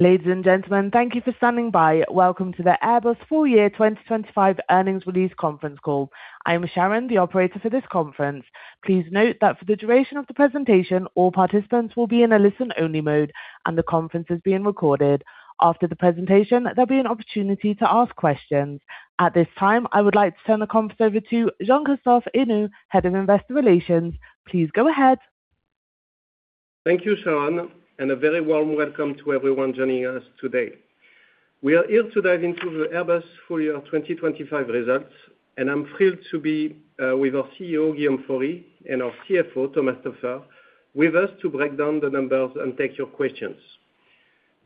Ladies, and gentlemen, thank you for standing by. Welcome to the Airbus Full Year 2025 Earnings Release Conference Call. I am Sharon, the Operator for this conference. Please note that for the duration of the presentation, all participants will be in a listen-only mode, and the conference is being recorded. After the presentation, there'll be an opportunity to ask questions. At this time, I would like to turn the conference over to Jean-Christophe Henoux, Head of Investor Relations. Please go ahead. Thank you, Sharon, and a very warm welcome to everyone joining us today. We are here to dive into the Airbus full year 2025 results, and I'm thrilled to be with our CEO, Guillaume Faury, and our CFO, Thomas Toepfer, with us to break down the numbers and take your questions.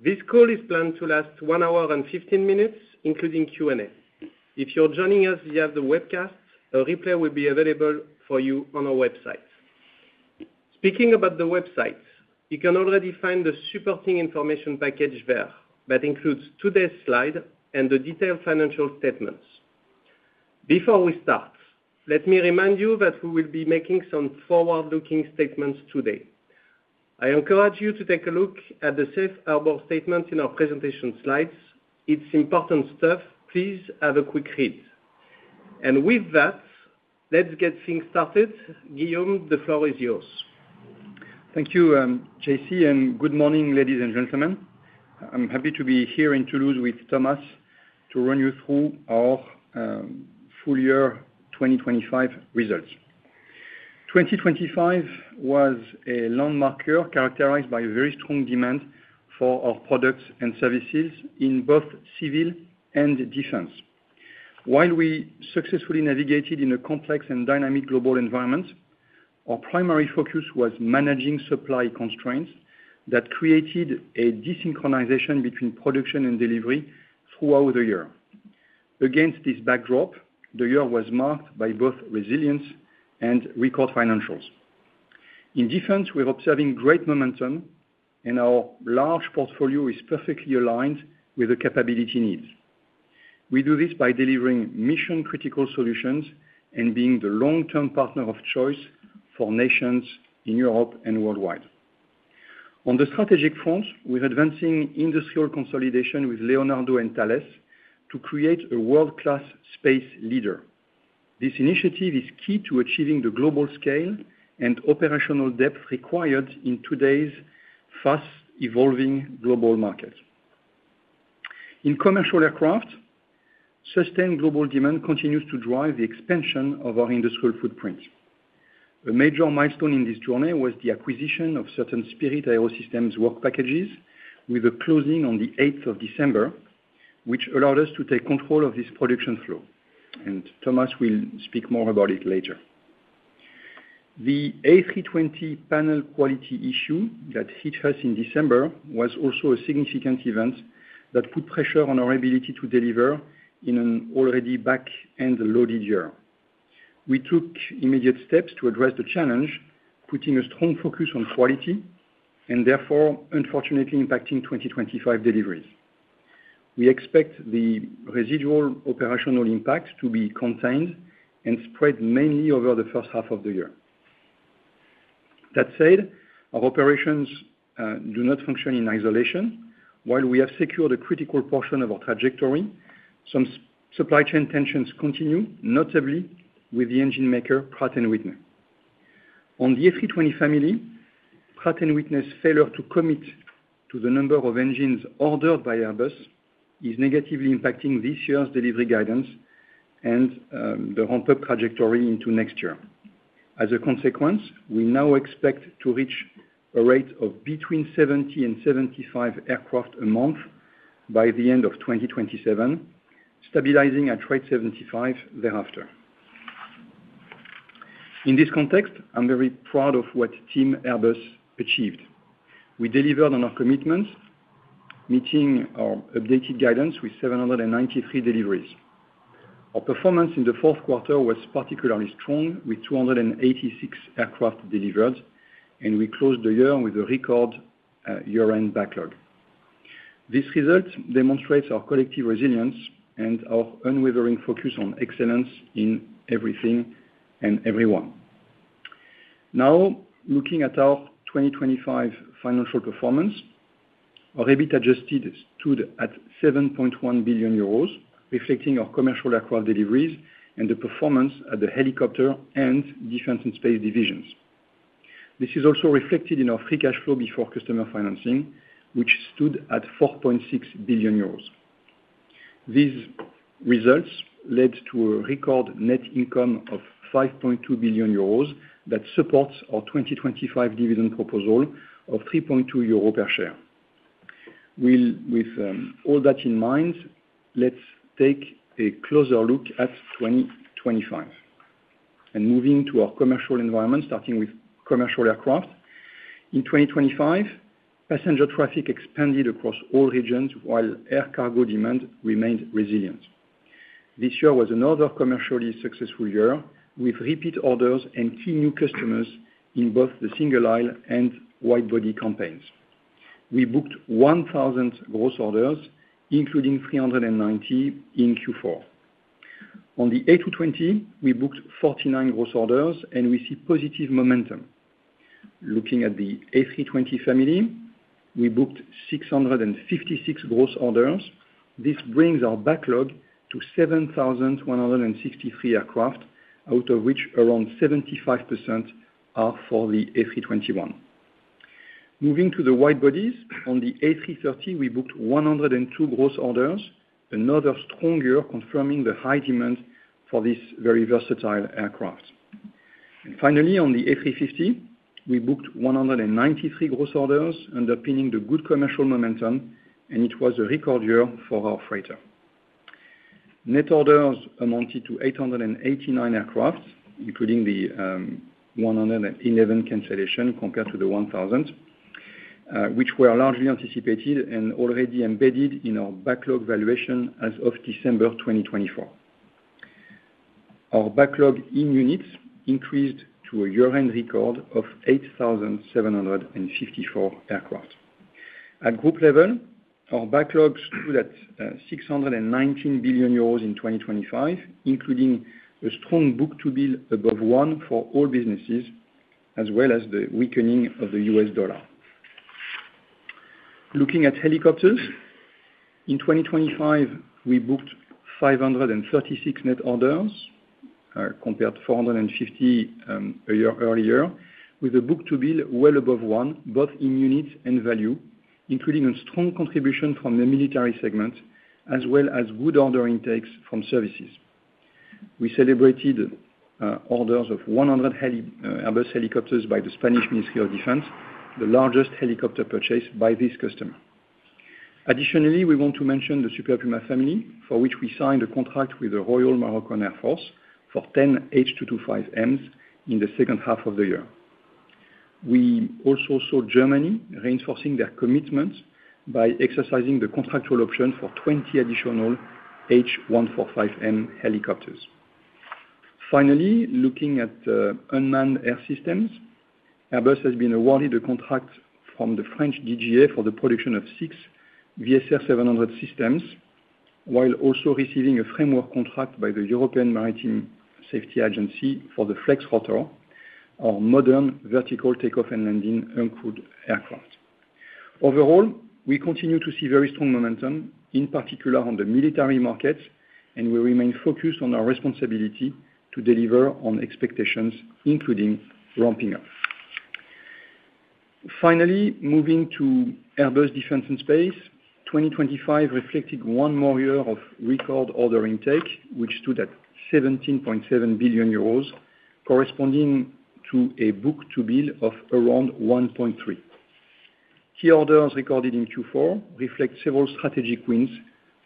This call is planned to last one hour and 15 minutes, including Q&A. If you're joining us via the webcast, a replay will be available for you on our website. Speaking about the website, you can already find the supporting information package there. That includes today's slide and the detailed financial statements. Before we start, let me remind you that we will be making some forward-looking statements today. I encourage you to take a look at the safe harbor statement in our presentation slides. It's important stuff. Please have a quick read. With that, let's get things started. Guillaume, the floor is yours. Thank you, JC, and good morning, ladies and gentlemen. I'm happy to be here in Toulouse with Thomas to run you through our full year 2025 results. 2025 was a landmark year characterized by very strong demand for our products and services in both civil and defense. While we successfully navigated in a complex and dynamic global environment, our primary focus was managing supply constraints that created a desynchronization between production and delivery throughout the year. Against this backdrop, the year was marked by both resilience and record financials. In defense, we're observing great momentum, and our large portfolio is perfectly aligned with the capability needs. We do this by delivering mission-critical solutions and being the long-term partner of choice for nations in Europe and worldwide. On the strategic front, we're advancing industrial consolidation with Leonardo and Thales to create a world-class space leader. This initiative is key to achieving the global scale and operational depth required in today's fast-evolving global market. In commercial aircraft, sustained global demand continues to drive the expansion of our industrial footprint. A major milestone in this journey was the acquisition of certain Spirit AeroSystems work packages with a closing on the eighth of December, which allowed us to take control of this production flow, and Thomas will speak more about it later. The A320 panel quality issue that hit us in December was also a significant event that put pressure on our ability to deliver in an already back-end loaded year. We took immediate steps to address the challenge, putting a strong focus on quality, and therefore, unfortunately, impacting 2025 deliveries. We expect the residual operational impact to be contained and spread mainly over the first half of the year. That said, our operations do not function in isolation. While we have secured a critical portion of our trajectory, some supply chain tensions continue, notably with the engine maker, Pratt & Whitney. On the A320 family, Pratt & Whitney's failure to commit to the number of engines ordered by Airbus is negatively impacting this year's delivery guidance and the ramp-up trajectory into next year. As a consequence, we now expect to reach a rate of between 70 and 75 aircraft a month by the end of 2027, stabilizing at rate 75 thereafter. In this context, I'm very proud of what Team Airbus achieved. We delivered on our commitments, meeting our updated guidance with 793 deliveries. Our performance in the fourth quarter was particularly strong, with 286 aircraft delivered, and we closed the year with a record year-end backlog. This result demonstrates our collective resilience and our unwavering focus on excellence in everything and everyone. Now, looking at our 2025 financial performance, our EBIT adjusted stood at 7.1 billion euros, reflecting our commercial aircraft deliveries and the performance at the Helicopter and Defence and Space divisions. This is also reflected in our free cash flow before customer financing, which stood at 4.6 billion euros. These results led to a record net income of 5.2 billion euros that supports our 2025 dividend proposal of 3.2 euro per share. With all that in mind, let's take a closer look at 2025. Moving to our commercial environment, starting with commercial aircraft. In 2025, passenger traffic expanded across all regions while air cargo demand remained resilient. This year was another commercially successful year, with repeat orders and key new customers in both the single aisle and wide-body campaigns. We booked 1,000 gross orders, including 390 in Q4. On the A220, we booked 49 gross orders, and we see positive momentum. Looking at the A320 family, we booked 656 gross orders. This brings our backlog to 7,163 aircraft, out of which around 75% are for the A321. Moving to the wide bodies, on the A330, we booked 102 gross orders, another strong year confirming the high demand for this very versatile aircraft. And finally, on the A350, we booked 193 gross orders, underpinning the good commercial momentum, and it was a record year for our freighter. Net orders amounted to 889 aircraft, including the 111 cancellation compared to the 1,000, which were largely anticipated and already embedded in our backlog valuation as of December 2024. Our backlog in units increased to a year-end record of 8,754 aircraft. At group level, our backlog stood at 619 billion euros in 2025, including a strong Book-to-Bill above one for all businesses, as well as the weakening of the U.S. dollar. Looking at helicopters, in 2025, we booked 536 net orders compared to 450 a year earlier, with a Book-to-Bill well above one, both in units and value, including a strong contribution from the military segment, as well as good order intakes from services. We celebrated orders of 100 Airbus helicopters by the Spanish Ministry of Defense, the largest helicopter purchase by this customer. Additionally, we want to mention the Super Puma family, for which we signed a contract with the Royal Moroccan Air Force for 10 H225Ms in the second half of the year. We also saw Germany reinforcing their commitment by exercising the contractual option for 20 additional H145M helicopters. Finally, looking at unmanned air systems, Airbus has been awarded a contract from the French DGA for the production of six VSR700 systems, while also receiving a framework contract by the European Maritime Safety Agency for the Flexrotor, our modern vertical take-off and landing uncrewed aircraft. Overall, we continue to see very strong momentum, in particular on the military market, and we remain focused on our responsibility to deliver on expectations, including ramping up. Finally, moving to Airbus Defence and Space. 2025 reflected one more year of record order intake, which stood at 17.7 billion euros, corresponding to a Book-to-Bill of around 1.3. Key orders recorded in Q4 reflect several strategic wins,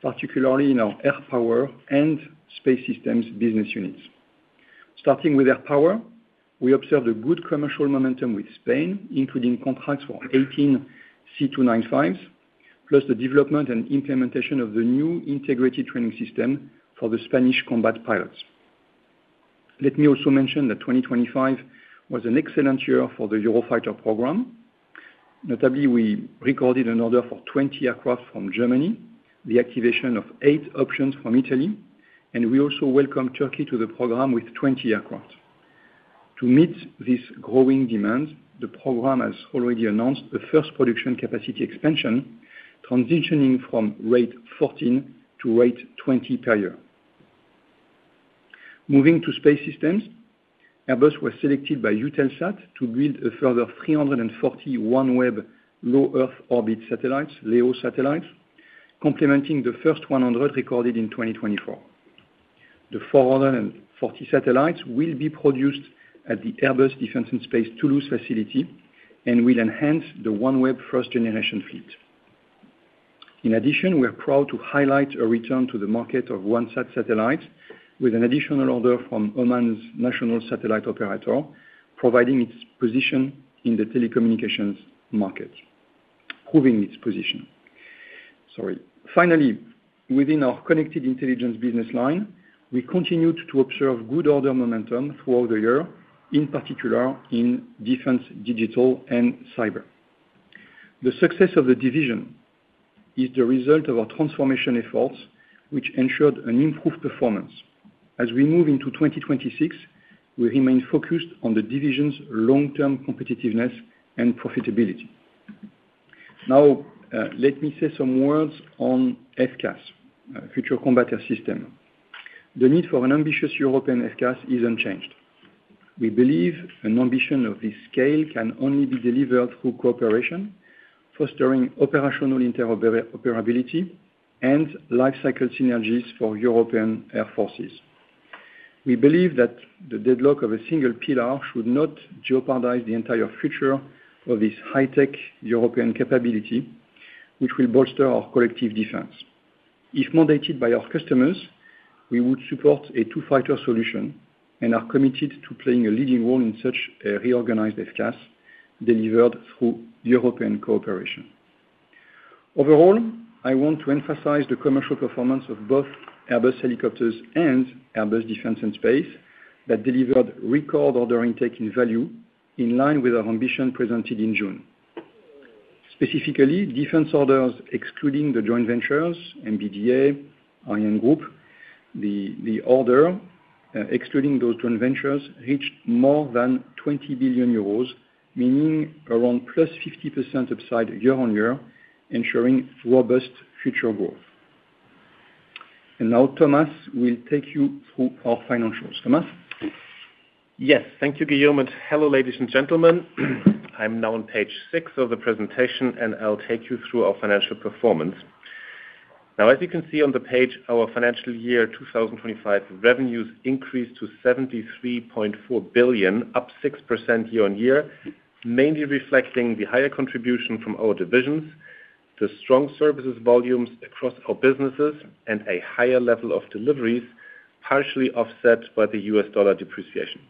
particularly in our Air Power and Space Systems business units. Starting with Air Power, we observed a good commercial momentum with Spain, including contracts for 18 C295s, plus the development and implementation of the new integrated training system for the Spanish combat pilots. Let me also mention that 2025 was an excellent year for the Eurofighter program. Notably, we recorded an order for 20 aircraft from Germany, the activation of 8 options from Italy, and we also welcomed Turkey to the program with 20 aircraft. To meet this growing demand, the program has already announced the first production capacity expansion, transitioning from rate 14 to rate 20 per year. Moving to space systems, Airbus was selected by Eutelsat to build a further 340 OneWeb low Earth orbit satellites, LEO satellites, complementing the first 100 recorded in 2024. The 440 satellites will be produced at the Airbus Defence and Space Toulouse facility and will enhance the OneWeb first-generation fleet. In addition, we are proud to highlight a return to the market of OneSat satellites with an additional order from Oman's national satellite operator, providing its position in the telecommunications market, proving its position. Sorry. Finally, within our Connected Intelligence business line, we continued to observe good order momentum throughout the year, in particular in defense, digital and cyber. The success of the division is the result of our transformation efforts, which ensured an improved performance. As we move into 2026, we remain focused on the division's long-term competitiveness and profitability. Now, let me say some words on FCAS, Future Combat Air System. The need for an ambitious European FCAS is unchanged. We believe an ambition of this scale can only be delivered through cooperation, fostering operational interoperability and life cycle synergies for European Air Forces. We believe that the deadlock of a single pillar should not jeopardize the entire future of this high-tech European capability, which will bolster our collective defense. If mandated by our customers, we would support a two-fighter solution and are committed to playing a leading role in such a reorganized FCAS delivered through European cooperation. Overall, I want to emphasize the commercial performance of both Airbus Helicopters and Airbus Defence and Space that delivered record order intake in value in line with our ambition presented in June. Specifically, defense orders, excluding the joint ventures, MBDA, ArianeGroup, excluding those joint ventures, reached more than 20 billion euros, meaning around +50% upside year-on-year, ensuring robust future growth. And now Thomas will take you through our financials. Thomas? Yes, thank you, Guillaume, and hello, ladies and gentlemen. I'm now on page six of the presentation, and I'll take you through our financial performance. Now, as you can see on the page, our financial year 2025 revenues increased to 73.4 billion, up 6% year-on-year, mainly reflecting the higher contribution from our divisions, the strong services volumes across our businesses, and a higher level of deliveries, partially offset by the U.S. dollar depreciation.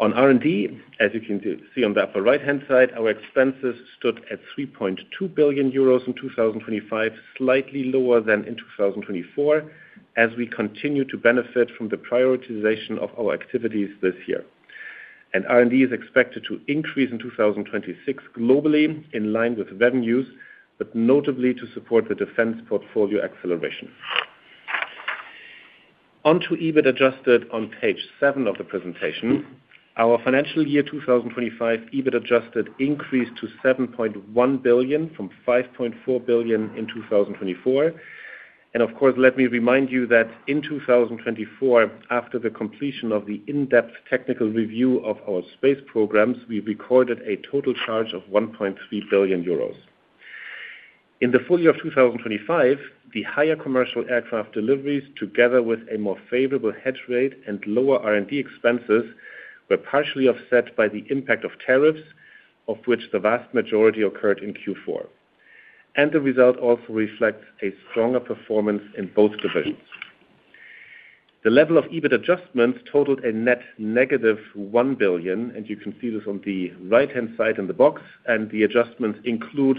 On R&D, as you can see on the upper right-hand side, our expenses stood at 3.2 billion euros in 2025, slightly lower than in 2024, as we continue to benefit from the prioritization of our activities this year. R&D is expected to increase in 2026 globally, in line with revenues, but notably to support the defense portfolio acceleration. On to EBIT adjusted on page seven of the presentation. Our financial year 2025, EBIT adjusted increased to 7.1 billion from 5.4 billion in 2024. And of course, let me remind you that in 2024, after the completion of the in-depth technical review of our space programs, we recorded a total charge of 1.3 billion euros. In the full year of 2025, the higher commercial aircraft deliveries, together with a more favorable hedge rate and lower R&D expenses, were partially offset by the impact of tariffs, of which the vast majority occurred in Q4. And the result also reflects a stronger performance in both divisions. The level of EBIT adjustments totaled a net negative 1 billion, and you can see this on the right-hand side in the box, and the adjustments include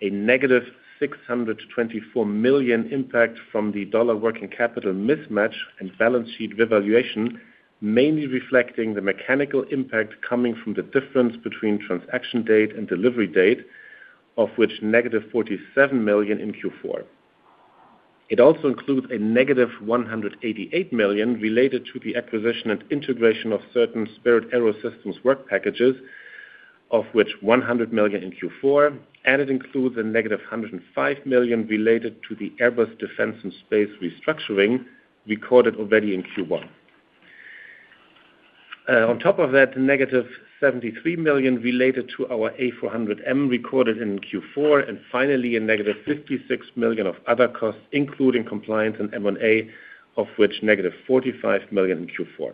a negative 624 million impact from the dollar working capital mismatch and balance sheet revaluation, mainly reflecting the mechanical impact coming from the difference between transaction date and delivery date, of which negative 47 million in Q4. It also includes a negative 188 million related to the acquisition and integration of certain Spirit AeroSystems work packages, of which 100 million in Q4, and it includes a negative 105 million related to the Airbus Defence and Space restructuring, recorded already in Q1. On top of that, -73 million related to our A400M recorded in Q4, and finally, -56 million of other costs, including compliance and M&A, of which -45 million in Q4.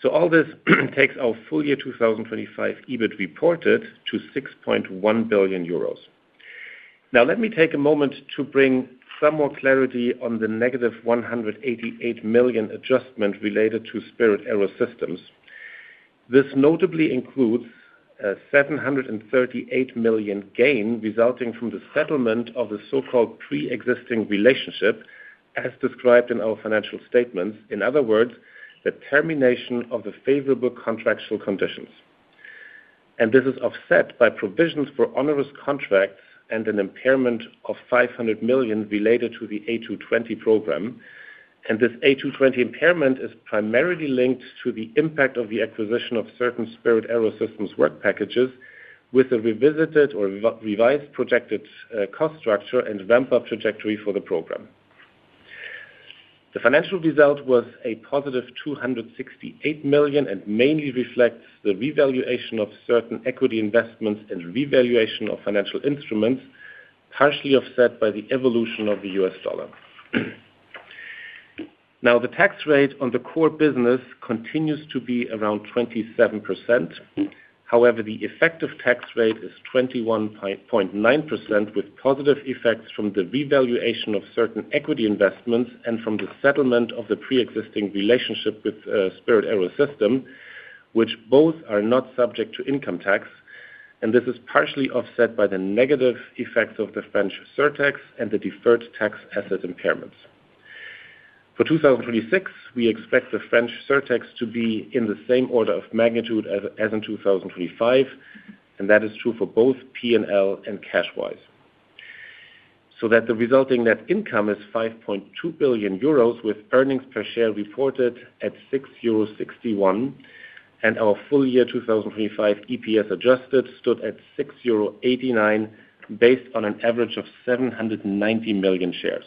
So all this takes our full year 2025 EBIT reported to 6.1 billion euros. Now, let me take a moment to bring some more clarity on the -188 million adjustment related to Spirit AeroSystems. This notably includes a 738 million gain resulting from the settlement of the so-called pre-existing relationship, as described in our financial statements. In other words, the termination of the favorable contractual conditions. And this is offset by provisions for onerous contracts and an impairment of 500 million related to the A220 program. This A220 impairment is primarily linked to the impact of the acquisition of certain Spirit AeroSystems work packages with a revisited or revised projected cost structure and ramp-up trajectory for the program. The financial result was a positive 268 million, and mainly reflects the revaluation of certain equity investments and revaluation of financial instruments, partially offset by the evolution of the U.S. dollar. Now, the tax rate on the core business continues to be around 27%. However, the effective tax rate is 21.9%, with positive effects from the revaluation of certain equity investments and from the settlement of the pre-existing relationship with Spirit AeroSystems, which both are not subject to income tax, and this is partially offset by the negative effects of the French surtax and the deferred tax asset impairments. For 2026, we expect the French surtax to be in the same order of magnitude as in 2025, and that is true for both P&L and cash wise. So that the resulting net income is 5.2 billion euros, with earnings per share reported at 6.61 euros, and our full year 2025 EPS adjusted stood at 6.89 euros, based on an average of 790 million shares.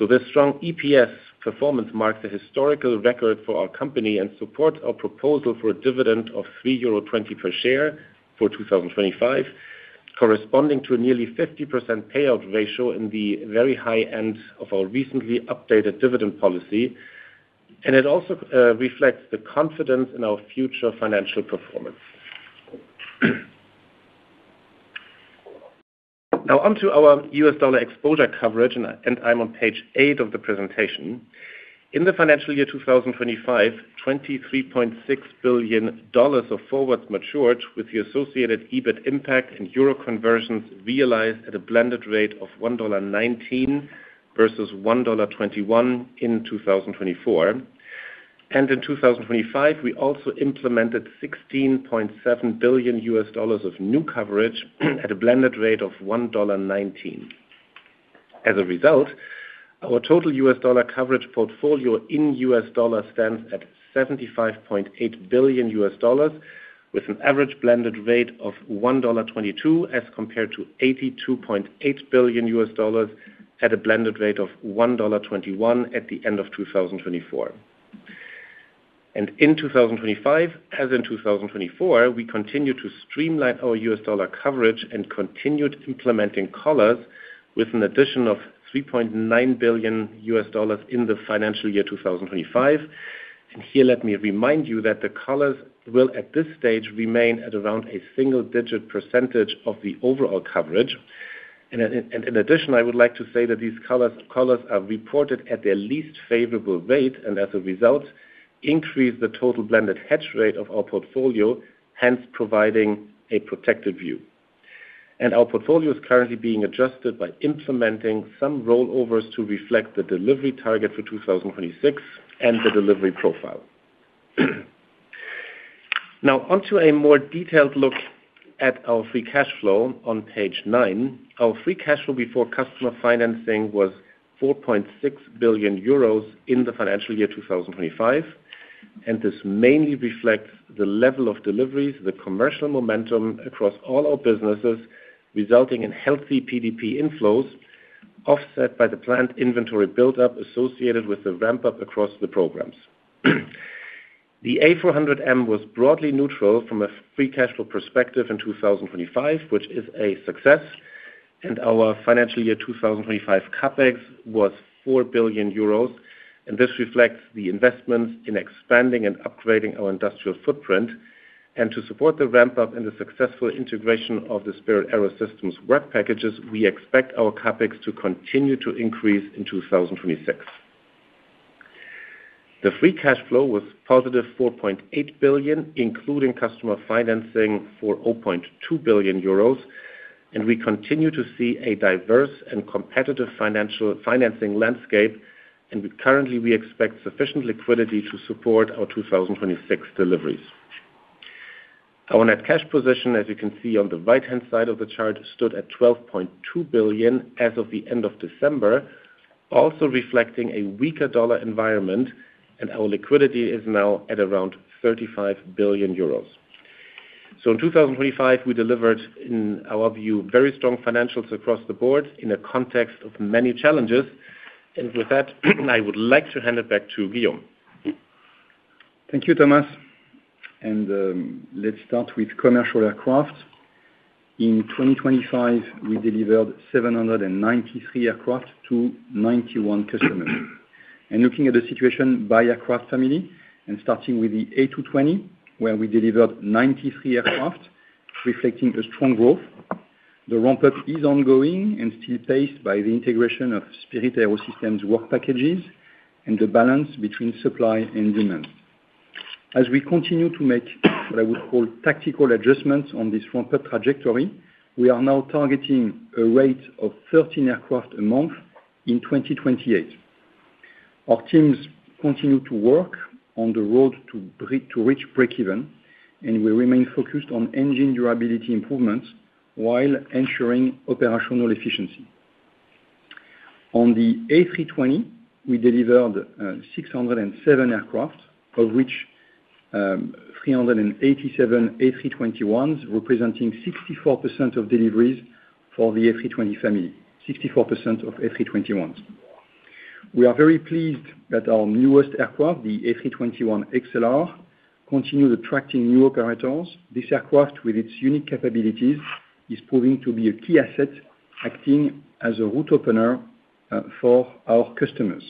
So this strong EPS performance marks a historical record for our company and supports our proposal for a dividend of 3.20 euro per share for 2025, corresponding to a nearly 50% payout ratio in the very high end of our recently updated dividend policy. And it also reflects the confidence in our future financial performance. Now, onto our U.S. dollar exposure coverage, and I'm on page 8 of the presentation. In the financial year 2025, $23.6 billion of forwards matured with the associated EBIT impact and euro conversions realized at a blended rate of $1.19 versus $1.21 in 2024. In 2025, we also implemented $16.7 billion of new coverage at a blended rate of $1.19. As a result, our total U.S. dollar coverage portfolio in U.S. dollars stands at $75.8 billion, with an average blended rate of $1.22, as compared to $82.8 billion at a blended rate of $1.21 at the end of 2024. In 2025, as in 2024, we continued to streamline our U.S. dollar coverage and continued implementing collars with an addition of $3.9 billion in the financial year 2025. Here, let me remind you that the collars will, at this stage, remain at around a single-digit percentage of the overall coverage. And in addition, I would like to say that these collars are reported at their least favorable rate, and as a result, increase the total blended hedge rate of our portfolio, hence providing a protective view. Our portfolio is currently being adjusted by implementing some rollovers to reflect the delivery target for 2026 and the delivery profile. Now, onto a more detailed look at our free cash flow on page nine. Our free cash flow before customer financing was 4.6 billion euros in the financial year 2025, and this mainly reflects the level of deliveries, the commercial momentum across all our businesses, resulting in healthy PDP inflows, offset by the planned inventory buildup associated with the ramp-up across the programs. The A400M was broadly neutral from a free cash flow perspective in 2025, which is a success, and our financial year 2025 CapEx was 4 billion euros, and this reflects the investments in expanding and upgrading our industrial footprint. And to support the ramp-up and the successful integration of the Spirit AeroSystems work packages, we expect our CapEx to continue to increase in 2026. The free cash flow was positive 4.8 billion, including customer financing for 0.2 billion euros, and we continue to see a diverse and competitive financial financing landscape, and we currently expect sufficient liquidity to support our 2026 deliveries. Our net cash position, as you can see on the right-hand side of the chart, stood at 12.2 billion as of the end of December, also reflecting a weaker dollar environment, and our liquidity is now at around 35 billion euros. So in 2025, we delivered, in our view, very strong financials across the board in a context of many challenges. With that, I would like to hand it back to Guillaume. Thank you, Thomas. Let's start with commercial aircraft. In 2025, we delivered 793 aircraft to 91 customers. Looking at the situation by aircraft family, and starting with the A220, where we delivered 93 aircraft, reflecting a strong growth. The ramp-up is ongoing and still paced by the integration of Spirit AeroSystems work packages and the balance between supply and demand. As we continue to make what I would call tactical adjustments on this ramp-up trajectory, we are now targeting a rate of 13 aircraft a month in 2028. Our teams continue to work on the road to reach breakeven, and we remain focused on engine durability improvements while ensuring operational efficiency. On the A320, we delivered, 607 aircraft, of which, 387 A321s, representing 64% of deliveries for the A320 family, 64% of A321s. We are very pleased that our newest aircraft, the A321XLR, continue attracting new operators. This aircraft, with its unique capabilities, is proving to be a key asset, acting as a route opener, for our customers.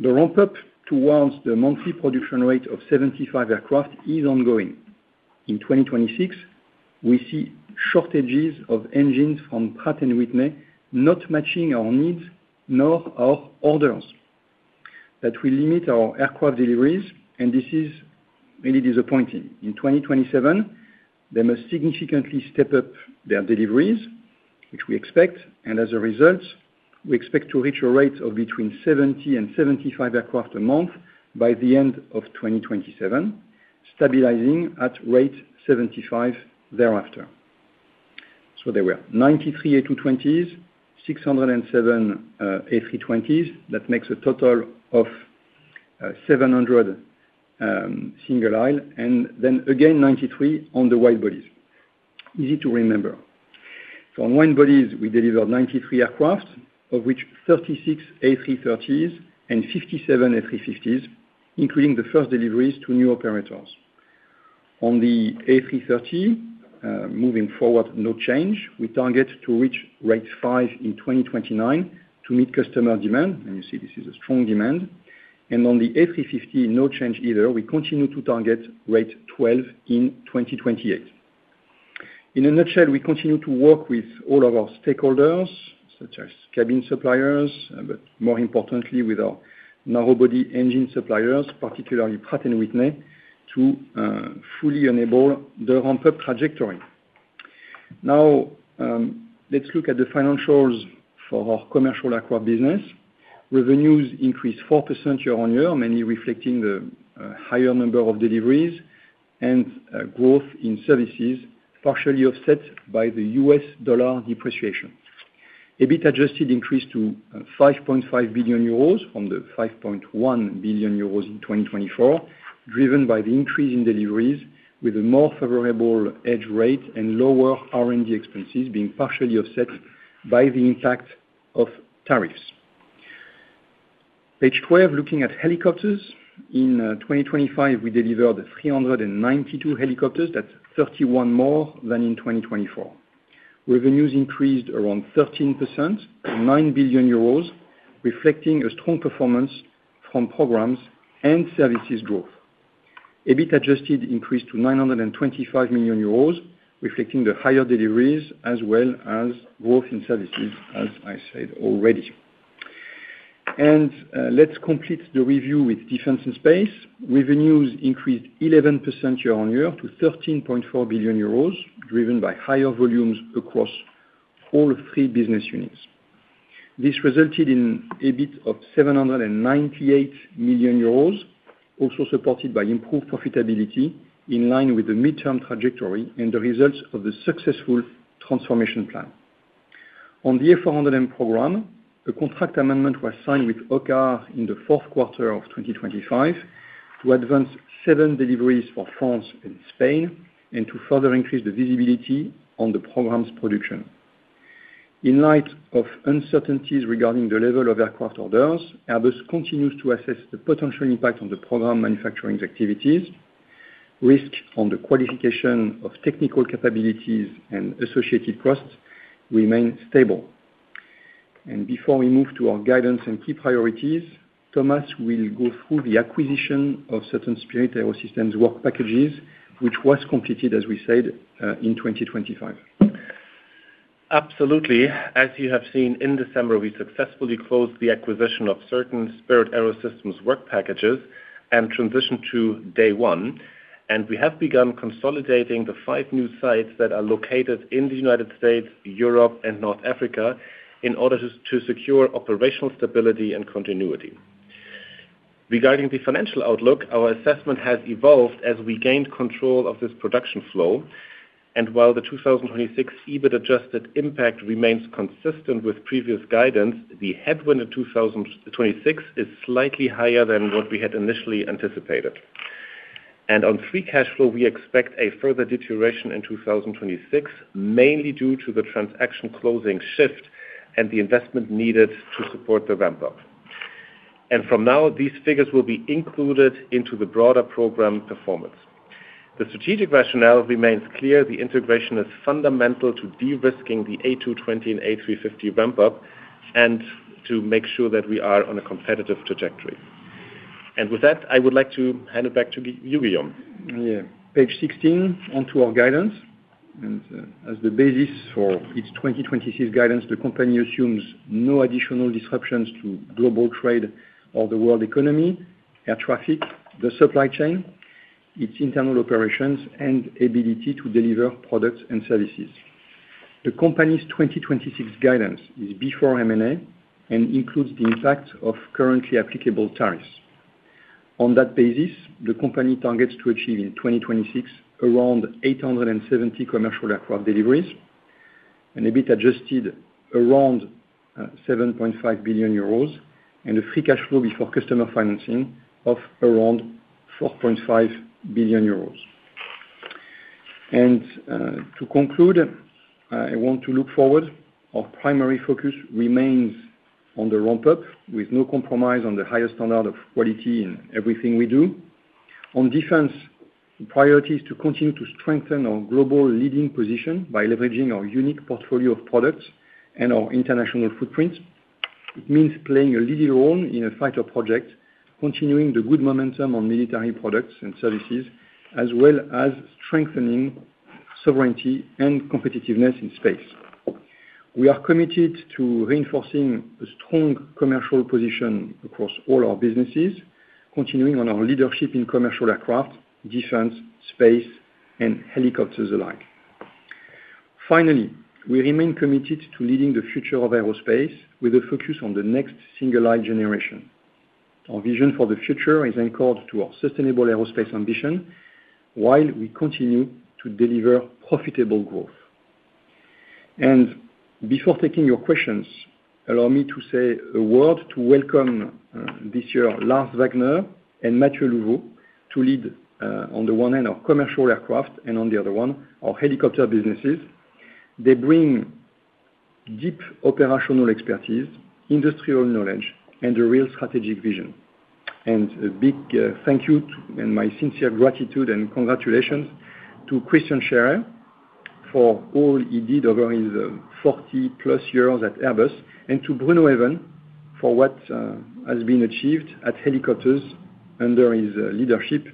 The ramp-up towards the monthly production rate of 75 aircraft is ongoing. In 2026, we see shortages of engines from Pratt & Whitney, not matching our needs, nor our orders, that will limit our aircraft deliveries, and this is really disappointing. In 2027, they must significantly step up their deliveries, which we expect, and as a result, we expect to reach a rate of between 70 and 75 aircraft a month by the end of 2027, stabilizing at rate 75 thereafter. So there were 93 A220s, 607 A320s. That makes a total of 700 single aisle, and then again, 93 on the wide bodies. Easy to remember. So on wide bodies, we delivered 93 aircraft, of which 36 A330s and 57 A350s, including the first deliveries to new operators. On the A330, moving forward, no change. We target to reach rate 5 in 2029 to meet customer demand, and you see this is a strong demand. And on the A350, no change either. We continue to target rate 12 in 2028. In a nutshell, we continue to work with all of our stakeholders, such as cabin suppliers, but more importantly, with our narrow-body engine suppliers, particularly Pratt & Whitney, to fully enable the ramp-up trajectory. Now, let's look at the financials for our Commercial Aircraft business. Revenues increased 4% year-on-year, mainly reflecting the higher number of deliveries and growth in services, partially offset by the U.S. dollar depreciation. EBIT adjusted increased to 5.5 billion euros from 5.1 billion euros in 2024, driven by the increase in deliveries, with a more favorable hedge rate and lower R&D expenses being partially offset by the impact of tariffs. Page 12, looking at helicopters. In 2025, we delivered 392 helicopters. That's 31 more than in 2024. Revenues increased around 13%, 9 billion euros, reflecting a strong performance from programs and services growth. EBIT adjusted increased to 925 million euros, reflecting the higher deliveries as well as growth in services, as I said already. Let's complete the review with Defence and Space. Revenues increased 11% year-on-year to 13.4 billion euros, driven by higher volumes across all three business units. This resulted in EBIT of 798 million euros, also supported by improved profitability, in line with the midterm trajectory and the results of the successful transformation plan. On the A400M program, a contract amendment was signed with OCCAR in the fourth quarter of 2025, to advance seven deliveries for France and Spain, and to further increase the visibility on the program's production. In light of uncertainties regarding the level of aircraft orders, Airbus continues to assess the potential impact on the program manufacturing's activities. Risk on the qualification of technical capabilities and associated costs remain stable. Before we move to our guidance and key priorities, Thomas will go through the acquisition of certain Spirit AeroSystems work packages, which was completed, as we said, in 2025. Absolutely. As you have seen, in December, we successfully closed the acquisition of certain Spirit AeroSystems work packages and transitioned to day one. And we have begun consolidating the five new sites that are located in the U.S., Europe, and North Africa, in order to secure operational stability and continuity. Regarding the financial outlook, our assessment has evolved as we gained control of this production flow, and while the 2026 EBIT adjusted impact remains consistent with previous guidance, the headwind in 2026 is slightly higher than what we had initially anticipated. And on free cash flow, we expect a further deterioration in 2026, mainly due to the transaction closing shift and the investment needed to support the ramp-up. And from now, these figures will be included into the broader program performance. The strategic rationale remains clear. The integration is fundamental to de-risking the A220 and A350 ramp-up, and to make sure that we are on a competitive trajectory. With that, I would like to hand it back to you, Guillaume. Yeah. Page 16, onto our guidance. And, as the basis for its 2026 guidance, the company assumes no additional disruptions to global trade or the world economy, air traffic, the supply chain, its internal operations, and ability to deliver products and services. The company's 2026 guidance is before M&A and includes the impact of currently applicable tariffs. On that basis, the company targets to achieve in 2026, around 870 commercial aircraft deliveries, and EBIT adjusted around 7.5 billion euros, and a free cash flow before customer financing of around 4.5 billion euros. And, to conclude, I want to look forward. Our primary focus remains on the ramp-up, with no compromise on the highest standard of quality in everything we do. On defense, the priority is to continue to strengthen our global leading position by leveraging our unique portfolio of products and our international footprint. It means playing a leading role in a fighter project, continuing the good momentum on military products and services, as well as strengthening sovereignty and competitiveness in space. We are committed to reinforcing a strong commercial position across all our businesses, continuing on our leadership in commercial aircraft, defense, space, and helicopters alike. Finally, we remain committed to leading the future of aerospace with a focus on the next single-aisle generation. Our vision for the future is anchored to our sustainable aerospace ambition, while we continue to deliver profitable growth. Before taking your questions, allow me to say a word to welcome this year, Lars Wagner and Matthieu Louvot, to lead on the one hand, our Commercial Aircraft, and on the other one, our Helicopter businesses. They bring deep operational expertise, industrial knowledge, and a real strategic vision. A big thank you to, and my sincere gratitude and congratulations to Christian Scherer for all he did over his 40+ years at Airbus, and to Bruno Even, for what has been achieved at Helicopters under his leadership.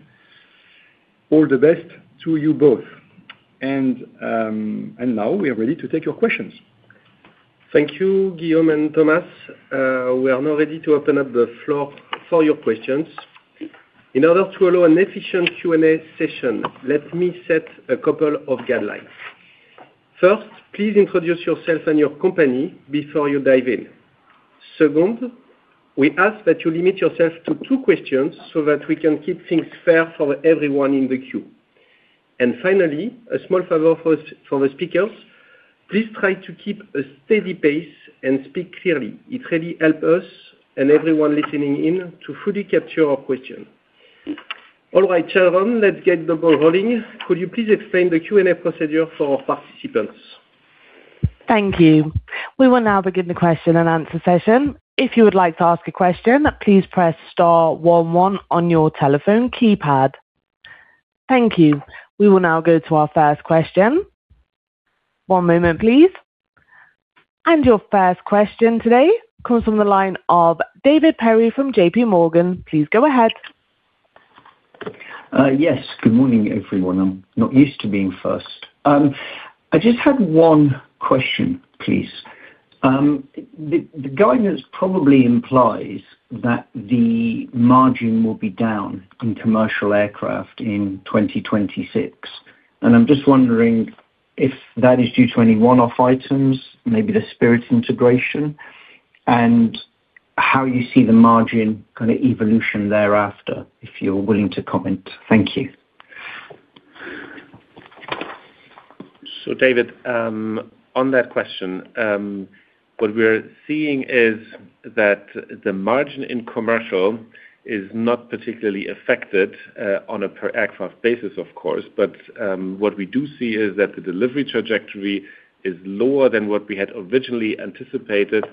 All the best to you both. Now we are ready to take your questions. Thank you, Guillaume and Thomas. We are now ready to open up the floor for your questions. In order to allow an efficient Q&A session, let me set a couple of guidelines. First, please introduce yourself and your company before you dive in. Second, we ask that you limit yourself to two questions so that we can keep things fair for everyone in the queue. And finally, a small favor for the speakers, please try to keep a steady pace and speak clearly. It really help us and everyone listening in to fully capture your question. All right, Sharon, let's get the ball rolling. Could you please explain the Q&A procedure for our participants? Thank you. We will now begin the question-and-answer session. If you would like to ask a question, please press star one one on your telephone keypad. Thank you. We will now go to our first question. One moment, please. Your first question today comes from the line of David Perry from JPMorgan. Please go ahead. Yes, good morning, everyone. I'm not used to being first. I just had one question, please. The guidance probably implies that the margin will be down in commercial aircraft in 2026, and I'm just wondering if that is due to any one-off items, maybe the Spirit integration, and how you see the margin kind of evolution thereafter, if you're willing to comment. Thank you. So, David, on that question, what we're seeing is that the margin in commercial is not particularly affected, on a per aircraft basis, of course, but what we do see is that the delivery trajectory is lower than what we had originally anticipated,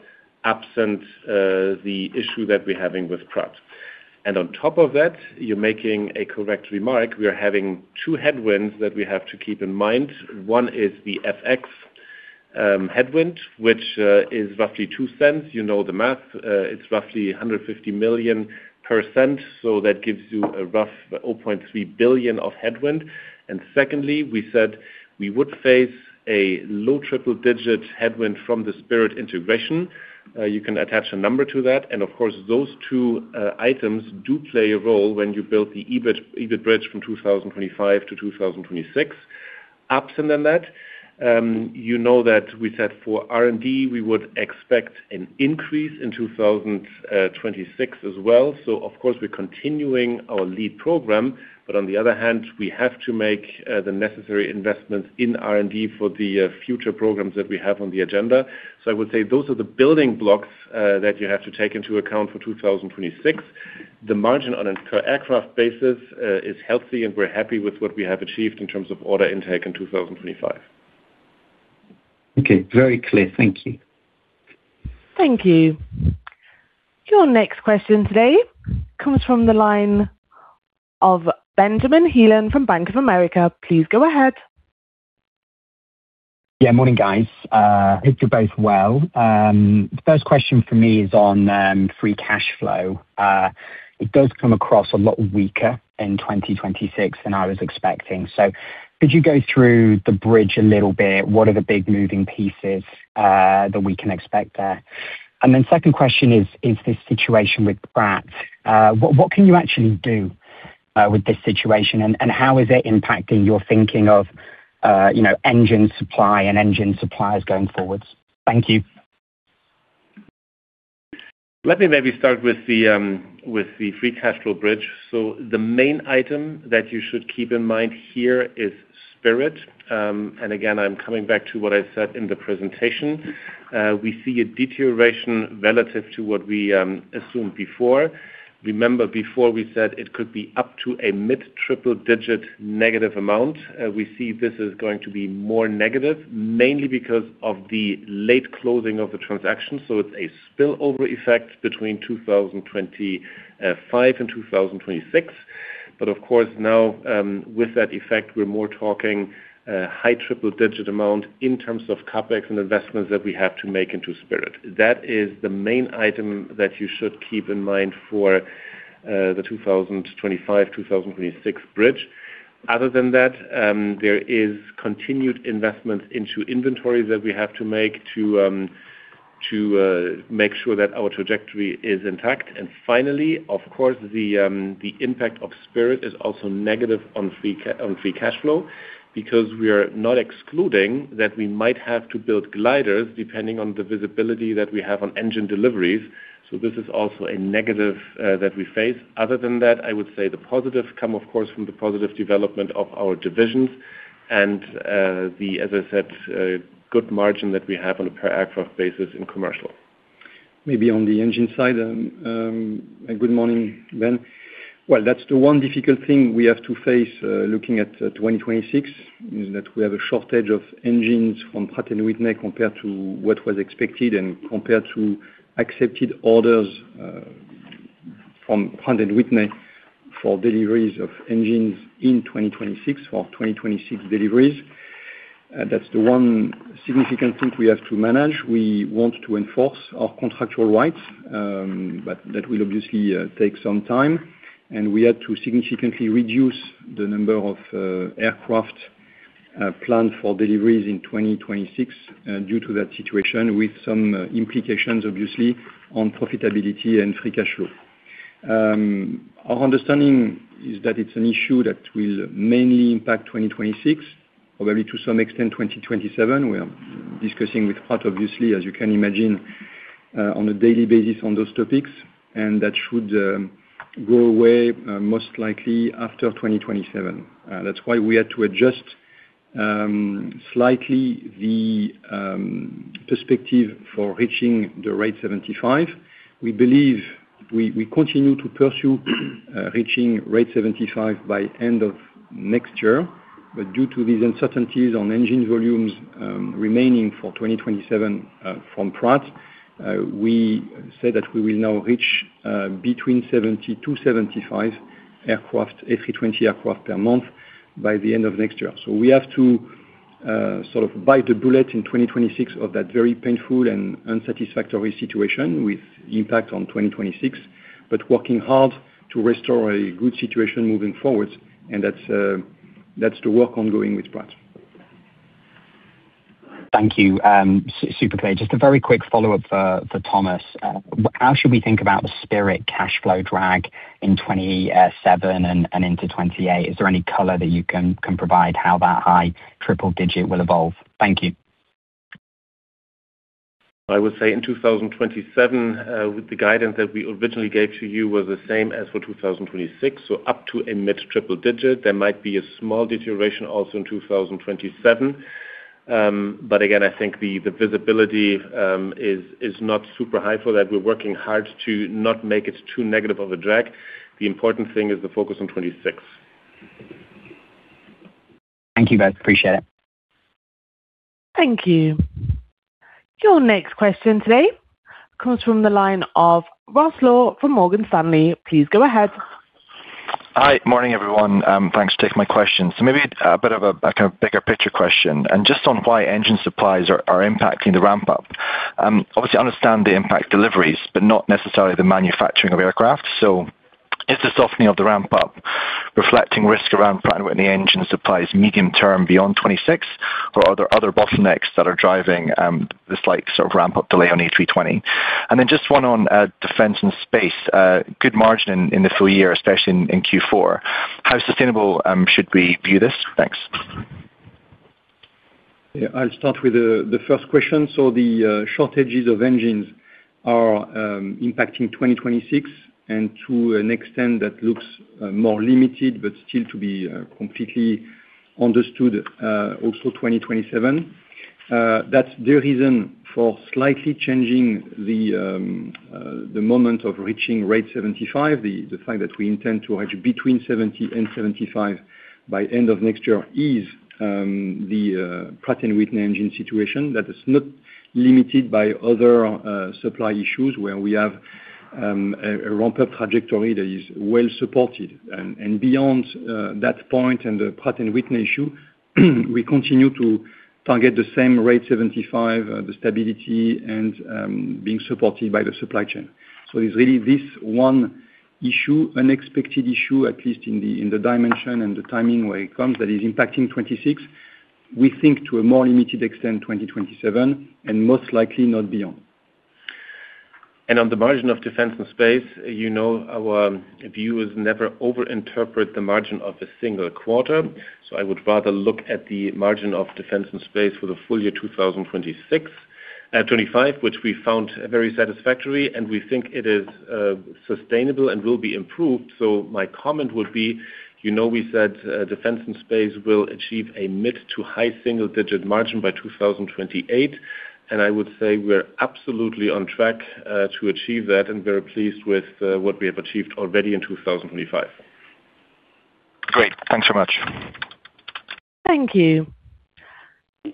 absent the issue that we're having with Pratt. And on top of that, you're making a correct remark. We are having two headwinds that we have to keep in mind. One is the FX headwind, which is roughly 0.02. You know the math, it's roughly 150 million per %, so that gives you a rough 0.3 billion of headwind. And secondly, we said we would face a low triple-digit headwind from the Spirit integration. You can attach a number to that, and of course, those two items do play a role when you build the EBIT, EBIT bridge from 2025-2026. Other than that, you know that we said for R&D, we would expect an increase in 2026 as well. So of course, we're continuing our lead program, but on the other hand, we have to make the necessary investments in R&D for the future programs that we have on the agenda. So I would say those are the building blocks that you have to take into account for 2026. The margin on a per aircraft basis is healthy, and we're happy with what we have achieved in terms of order intake in 2025. Okay. Very clear. Thank you. Thank you. Your next question today comes from the line of Benjamin Heelan from Bank of America. Please go ahead. Yeah. Morning, guys. Hope you're both well. First question for me is on free cash flow. It does come across a lot weaker in 2026 than I was expecting. So could you go through the bridge a little bit? What are the big moving pieces that we can expect there? And then second question is, is this situation with Pratt, what can you actually do with this situation? And how is it impacting your thinking of, you know, engine supply and engine suppliers going forwards? Thank you. Let me maybe start with the free cash flow bridge. So the main item that you should keep in mind here is Spirit. And again, I'm coming back to what I said in the presentation. We see a deterioration relative to what we assumed before. Remember before we said it could be up to a mid-triple digit negative amount. We see this is going to be more negative, mainly because of the late closing of the transaction, so it's a spillover effect between 2025 and 2026. But of course, now, with that effect, we're more talking high triple digit amount in terms of CapEx and investments that we have to make into Spirit. That is the main item that you should keep in mind for the 2025, 2026 bridge. Other than that, there is continued investment into inventories that we have to make to make sure that our trajectory is intact. And finally, of course, the impact of Spirit is also negative on free cash flow because we are not excluding that we might have to build gliders depending on the visibility that we have on engine deliveries. So this is also a negative that we face. Other than that, I would say the positives come, of course, from the positive development of our divisions and, as I said, a good margin that we have on a per aircraft basis in commercial. Maybe on the engine side, good morning, Ben. Well, that's the one difficult thing we have to face, looking at 2026, is that we have a shortage of engines from Pratt & Whitney compared to what was expected and compared to accepted orders from Pratt & Whitney for deliveries of engines in 2026 for 2026 deliveries. That's the one significant thing we have to manage. We want to enforce our contractual rights, but that will obviously take some time, and we had to significantly reduce the number of aircraft planned for deliveries in 2026 due to that situation, with some implications obviously on profitability and free cash flow. Our understanding is that it's an issue that will mainly impact 2026, probably to some extent 2027. We are discussing with Pratt obviously, as you can imagine, on a daily basis on those topics, and that should go away, most likely after 2027. That's why we had to adjust slightly the perspective for reaching the rate 75. We believe we continue to pursue reaching rate 75 by end of next year, but due to these uncertainties on engine volumes remaining for 2027 from Pratt, we say that we will now reach between 70-75 A320 aircraft per month by the end of next year. So we have to sort of bite the bullet in 2026 of that very painful and unsatisfactory situation with impact on 2026, but working hard to restore a good situation moving forward. That's the work ongoing with Pratt. Thank you. Super clear. Just a very quick follow-up for Thomas. How should we think about the Spirit cashflow drag in 2027 and into 2028? Is there any color that you can provide how that high triple digit will evolve? Thank you. I would say in 2027, with the guidance that we originally gave to you was the same as for 2026, so up to a mid triple digit. There might be a small deterioration also in 2027. But again, I think the visibility is not super high for that. We're working hard to not make it too negative of a drag. The important thing is the focus on 2026. Thank you both. Appreciate it. Thank you. Your next question today comes from the line of Ross Law from Morgan Stanley. Please go ahead. Hi. Morning, everyone. Thanks for taking my question. So maybe a bit of a kind of bigger picture question, and just on why engine supplies are impacting the ramp-up. Obviously I understand the impact deliveries, but not necessarily the manufacturing of aircraft. So is the softening of the ramp-up reflecting risk around Pratt & Whitney engine supplies medium term beyond 2026, or are there other bottlenecks that are driving this like sort of ramp-up delay on A320? And then just one on Defence and Space. Good margin in the full year, especially in Q4. How sustainable should we view this? Thanks. Yeah, I'll start with the first question. So the shortages of engines are impacting 2026, and to an extent that looks more limited, but still to be completely understood, also 2027. That's the reason for slightly changing the moment of reaching rate 75. The fact that we intend to have between 70 and 75 by end of next year is the Pratt & Whitney engine situation that is not limited by other supply issues where we have a ramp-up trajectory that is well supported. And beyond that point in the Pratt & Whitney issue, we continue to target the same rate, 75, the stability and being supported by the supply chain. It's really this one issue, unexpected issue, at least in the dimension and the timing where it comes, that is impacting 2026. We think to a more limited extent 2027, and most likely not beyond. On the margin of Defence and Space, you know, our view is never overinterpret the margin of a single quarter, so I would rather look at the margin of Defence and Space for the full year 2026, 2025, which we found very satisfactory, and we think it is, sustainable and will be improved. So my comment would be, you know, we said, Defence and Space will achieve a mid to high single digit margin by 2028, and I would say we're absolutely on track, to achieve that, and we are pleased with, what we have achieved already in 2025. Great. Thanks so much. Thank you.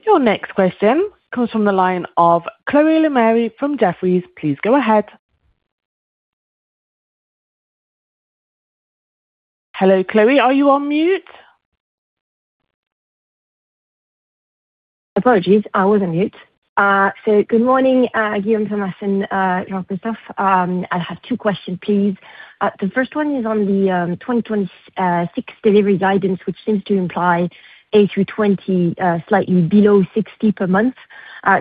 Your next question comes from the line of Chloé Lemarié from Jefferies. Please go ahead. Hello, Chloé, are you on mute? Apologies, I was on mute. So good morning, Guillaume, Thomas, and Jean-Christophe. I have two questions, please. The first one is on the 2026 delivery guidance, which seems to imply A320, slightly below 60 per month,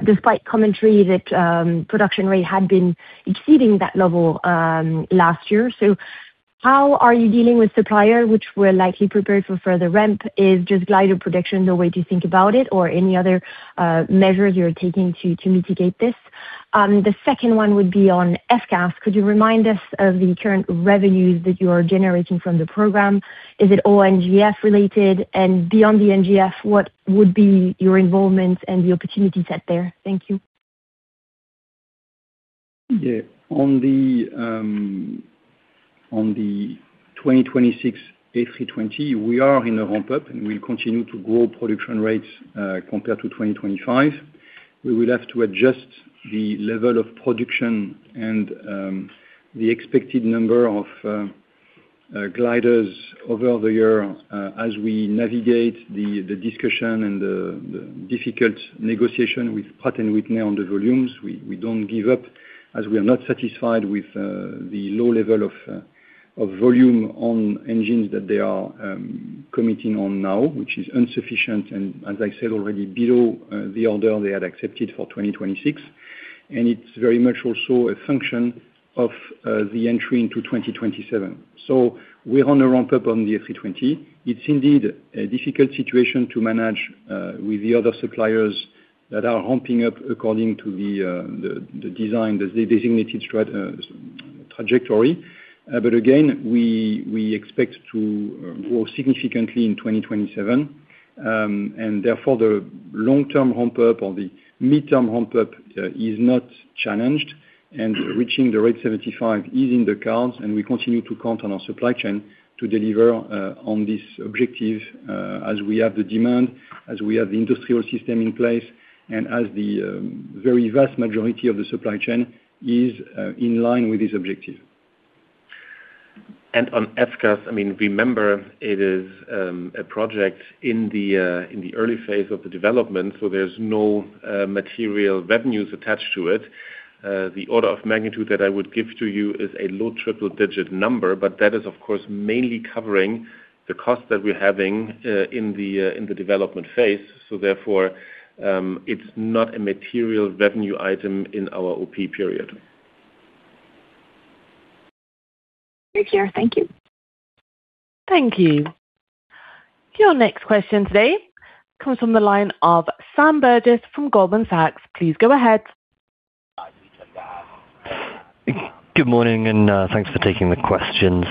despite commentary that production rate had been exceeding that level last year. So how are you dealing with suppliers, which were likely prepared for further ramp? Is glider production the way to think about it, or any other measures you're taking to mitigate this? The second one would be on FCAS. Could you remind us of the current revenues that you are generating from the program? Is it all NGF related, and beyond the NGF, what would be your involvement and the opportunity set there? Thank you. Yeah. On the 2026 A320, we are in a ramp-up, and we'll continue to grow production rates compared to 2025. We will have to adjust the level of production and the expected number of gliders over the year as we navigate the discussion and the difficult negotiation with Pratt & Whitney on the volumes. As we are not satisfied with the low level of volume on engines that they are committing on now, which is insufficient, and as I said, already below the order they had accepted for 2026. And it's very much also a function of the entry into 2027. So we're on a ramp-up on the A320. It's indeed a difficult situation to manage with the other suppliers that are humping up according to the design, the designated trajectory. But again, we expect to grow significantly in 2027. And therefore, the long-term ramp-up or the midterm ramp-up is not challenged, and reaching the rate 75 is in the cards, and we continue to count on our supply chain to deliver on this objective as we have the demand, as we have the industrial system in place, and as the very vast majority of the supply chain is in line with this objective. On FCAS, I mean, remember, it is a project in the early phase of the development, so there's no material revenues attached to it. The order of magnitude that I would give to you is a low triple digit number, but that is, of course, mainly covering the cost that we're having in the development phase. So therefore, it's not a material revenue item in our OP period. Thank you. Thank you. Thank you. Your next question today comes from the line of Sam Burgess from Goldman Sachs. Please go ahead. Good morning, and thanks for taking the questions.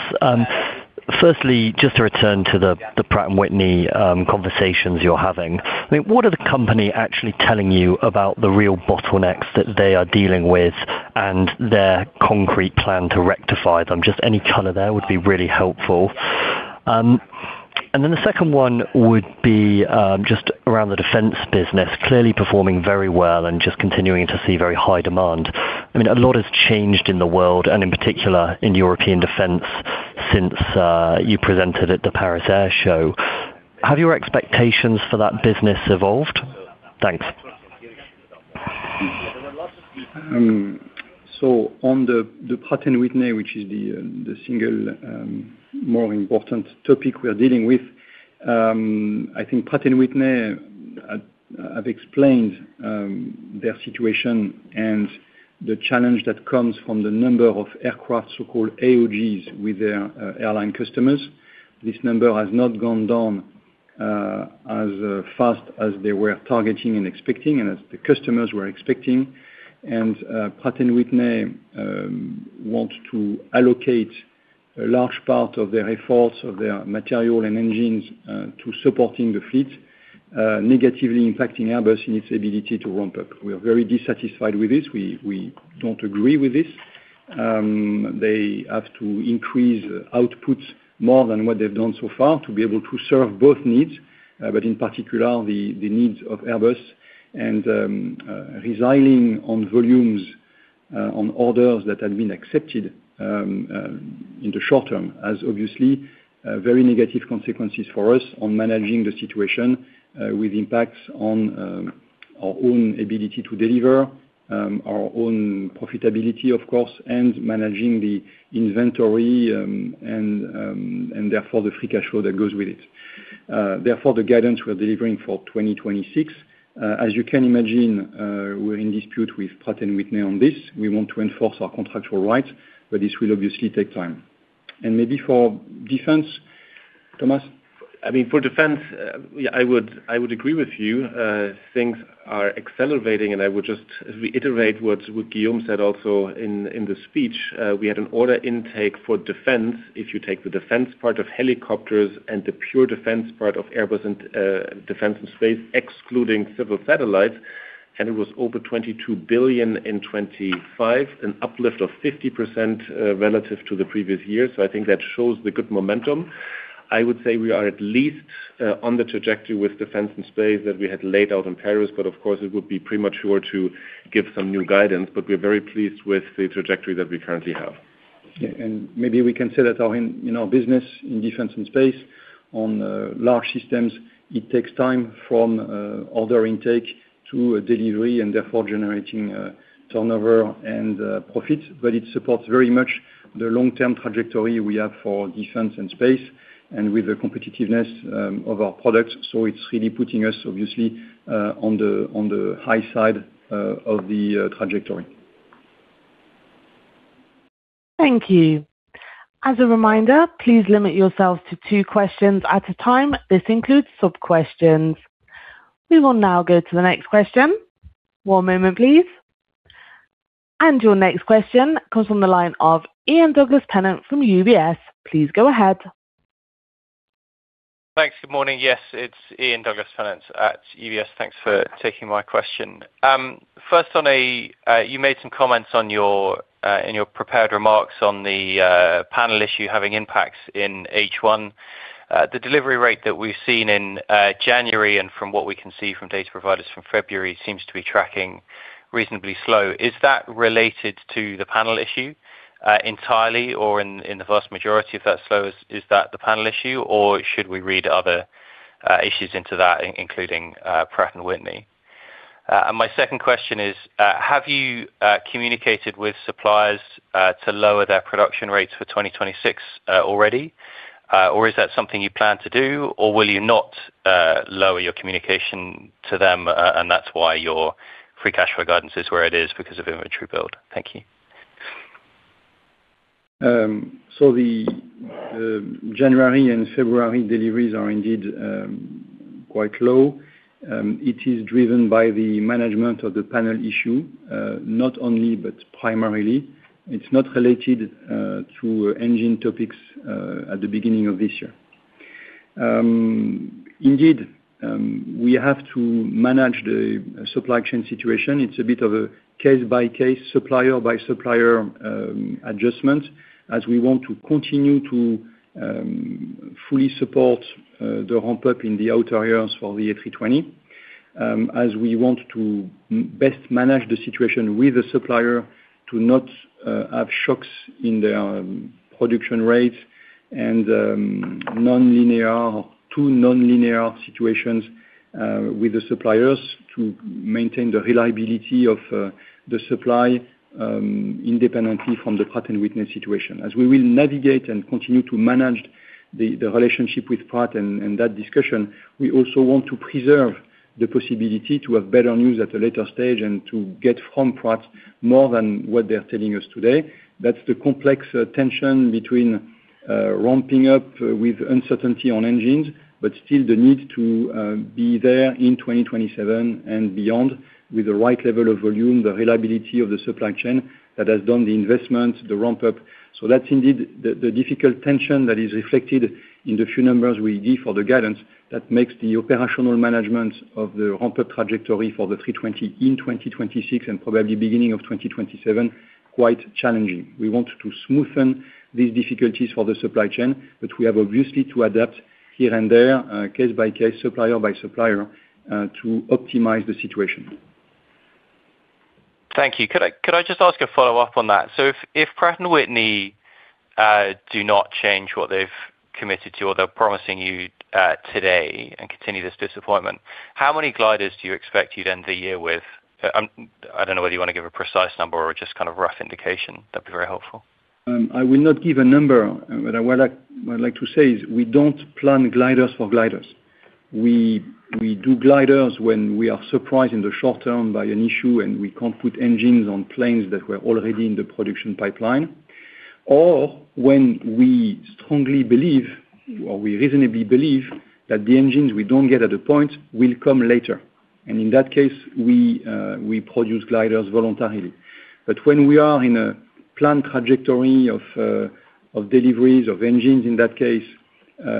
Firstly, just to return to the Pratt & Whitney conversations you're having. I mean, what are the company actually telling you about the real bottlenecks that they are dealing with and their concrete plan to rectify them? Just any color there would be really helpful. And then the second one would be just around the defense business, clearly performing very well and just continuing to see very high demand. I mean, a lot has changed in the world, and in particular, in European defense since you presented at the Paris Air Show. Have your expectations for that business evolved? Thanks. So on the Pratt & Whitney, which is the single more important topic we are dealing with, I think Pratt & Whitney have explained their situation and the challenge that comes from the number of aircraft, so-called AOGs, with their airline customers. This number has not gone down as fast as they were targeting and expecting and as the customers were expecting. And Pratt & Whitney want to allocate a large part of their efforts, of their material and engines, to supporting the fleet, negatively impacting Airbus in its ability to ramp-up. We are very dissatisfied with this. We don't agree with this. They have to increase outputs more than what they've done so far to be able to serve both needs, but in particular, the needs of Airbus. Resigning on volumes, on orders that have been accepted, in the short term, has obviously very negative consequences for us on managing the situation, with impacts on our own ability to deliver, our own profitability, of course, and managing the inventory, and therefore the free cash flow that goes with it. Therefore, the guidance we're delivering for 2026, as you can imagine, we're in dispute with Pratt & Whitney on this. We want to enforce our contractual rights, but this will obviously take time. And maybe for defense, Thomas? I mean, for defense, yeah, I would, I would agree with you. Things are accelerating, and I would just reiterate what, what Guillaume said also in, in the speech. We had an order intake for defense, if you take the defense part of Helicopters and the pure defense part of Airbus and Defence and Space, excluding civil satellites, and it was over 22 billion in 2025, an uplift of 50%, relative to the previous year. So I think that shows the good momentum. I would say we are at least on the trajectory with Defence and Space that we had laid out in Paris, but of course, it would be premature to give some new guidance, but we're very pleased with the trajectory that we currently have. Yeah, and maybe we can say that in our business, in Defence and Space, on large systems, it takes time from order intake to delivery, and therefore generating turnover and profit, but it supports very much the long-term trajectory we have for Defence and Space and with the competitiveness of our products. So it's really putting us, obviously, on the high side of the trajectory. Thank you. As a reminder, please limit yourselves to two questions at a time. This includes sub-questions. We will now go to the next question. One moment, please. Your next question comes from the line of Ian Douglas-Pennant from UBS. Please go ahead. Thanks. Good morning. Yes, it's Ian Douglas-Pennant at UBS. Thanks for taking my question. First on a, you made some comments on your, in your prepared remarks on the, panel issue having impacts in H1. The delivery rate that we've seen in, January and from what we can see from data providers from February, seems to be tracking reasonably slow. Is that related to the panel issue, entirely, or in, in the vast majority of that slow, is, is that the panel issue, or should we read other issues into that, including, Pratt & Whitney. And my second question is, have you, communicated with suppliers, to lower their production rates for 2026, already? Or, is that something you plan to do, or will you not lower your communication to them, and that's why your free cash flow guidance is where it is, because of inventory build? Thank you. So the January and February deliveries are indeed quite low. It is driven by the management of the panel issue, not only, but primarily. It's not related to engine topics at the beginning of this year. Indeed, we have to manage the supply chain situation. It's a bit of a case-by-case, supplier-by-supplier adjustment, as we want to continue to fully support the ramp-up in the outer areas for the A320. As we want to best manage the situation with the supplier, to not have shocks in the production rates and nonlinear, two nonlinear situations with the suppliers to maintain the reliability of the supply independently from the Pratt & Whitney situation. As we will navigate and continue to manage the relationship with Pratt and that discussion, we also want to preserve the possibility to have better news at a later stage and to get from Pratt more than what they're telling us today. That's the complex tension between ramping up with uncertainty on engines, but still the need to be there in 2027 and beyond, with the right level of volume, the reliability of the supply chain that has done the investment, the ramp-up. So that's indeed the difficult tension that is reflected in the few numbers we give for the guidance that makes the operational management of the ramp-up trajectory for the A320 in 2026, and probably beginning of 2027, quite challenging. We want to smoothen these difficulties for the supply chain, but we have obviously to adapt here and there, case by case, supplier by supplier, to optimize the situation. Thank you. Could I, could I just ask a follow-up on that? So if, if Pratt & Whitney do not change what they've committed to or they're promising you today and continue this disappointment, how many gliders do you expect you'd end the year with? I don't know whether you want to give a precise number or just kind of rough indication, that'd be very helpful. I will not give a number, but what I, what I'd like to say is we don't plan gliders for gliders. We, we do gliders when we are surprised in the short term by an issue, and we can't put engines on planes that were already in the production pipeline, or when we strongly believe, or we reasonably believe, that the engines we don't get at a point will come later. And in that case, we, we produce gliders voluntarily. But when we are in a planned trajectory of, of deliveries, of engines in that case,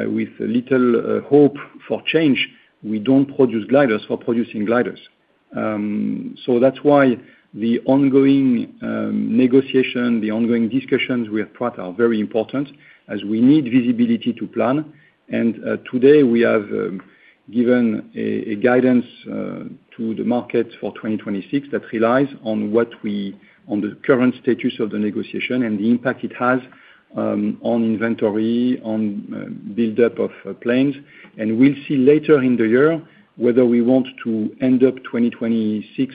with little hope for change, we don't produce gliders for producing gliders. So that's why the ongoing negotiation, the ongoing discussions with Pratt are very important, as we need visibility to plan. Today, we have given a guidance to the market for 2026 that relies on the current status of the negotiation and the impact it has on inventory, on build-up of planes. We'll see later in the year whether we want to end up 2026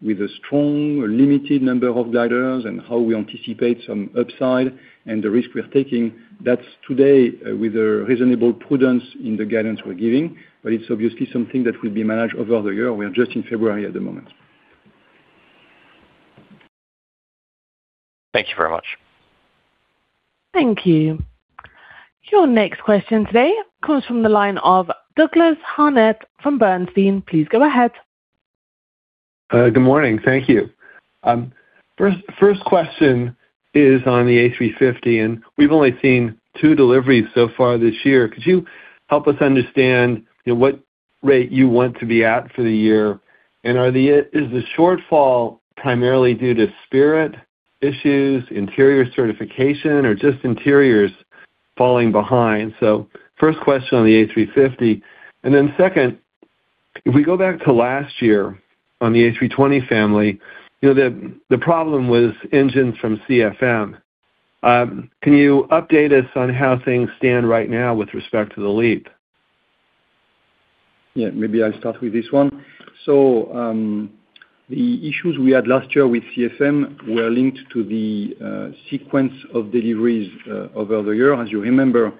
with a strong, limited number of gliders and how we anticipate some upside and the risk we're taking. That's today with a reasonable prudence in the guidance we're giving, but it's obviously something that will be managed over the year. We are just in February at the moment. Thank you very much. Thank you. Your next question today comes from the line of Douglas Harned from Bernstein. Please go ahead. Good morning. Thank you. First question is on the A350, and we've only seen two deliveries so far this year. Could you help us understand, you know, what rate you want to be at for the year? And are the... Is the shortfall primarily due to Spirit issues, interior certification, or just interiors falling behind? So first question on the A350. And then second, if we go back to last year on the A320 family, you know, the problem was engines from CFM. Can you update us on how things stand right now with respect to the LEAP? Yeah, maybe I'll start with this one. So, the issues we had last year with CFM were linked to the sequence of deliveries over the year. As you remember,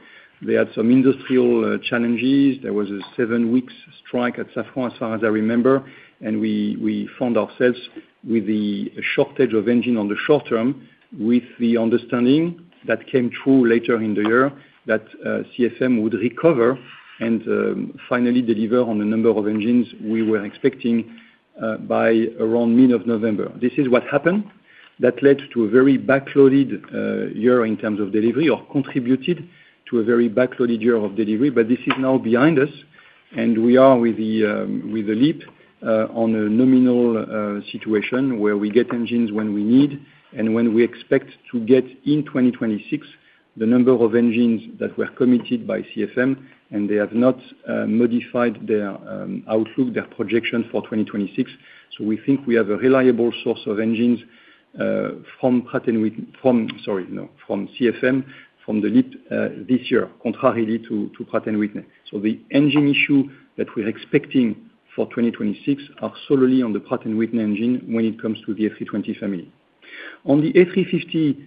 they had some industrial challenges. There was a seven weeks strike at Safran, as far as I remember, and we found ourselves with the shortage of engine on the short term, with the understanding that came through later in the year, that CFM would recover and finally deliver on the number of engines we were expecting by around mid of November. This is what happened. That led to a very backloaded year in terms of delivery or contributed to a very backloaded year of delivery, but this is now behind us, and we are with the, with the LEAP, on a nominal situation, where we get engines when we need and when we expect to get in 2026, the number of engines that were committed by CFM, and they have not modified their outlook, their projection for 2026. So we think we have a reliable source of engines, from Pratt & Whitney—from, sorry, no, from CFM, from the LEAP, this year, contrarily to, to Pratt & Whitney. So the engine issue that we're expecting for 2026 are solely on the Pratt & Whitney engine when it comes to the A320 family. On the A350,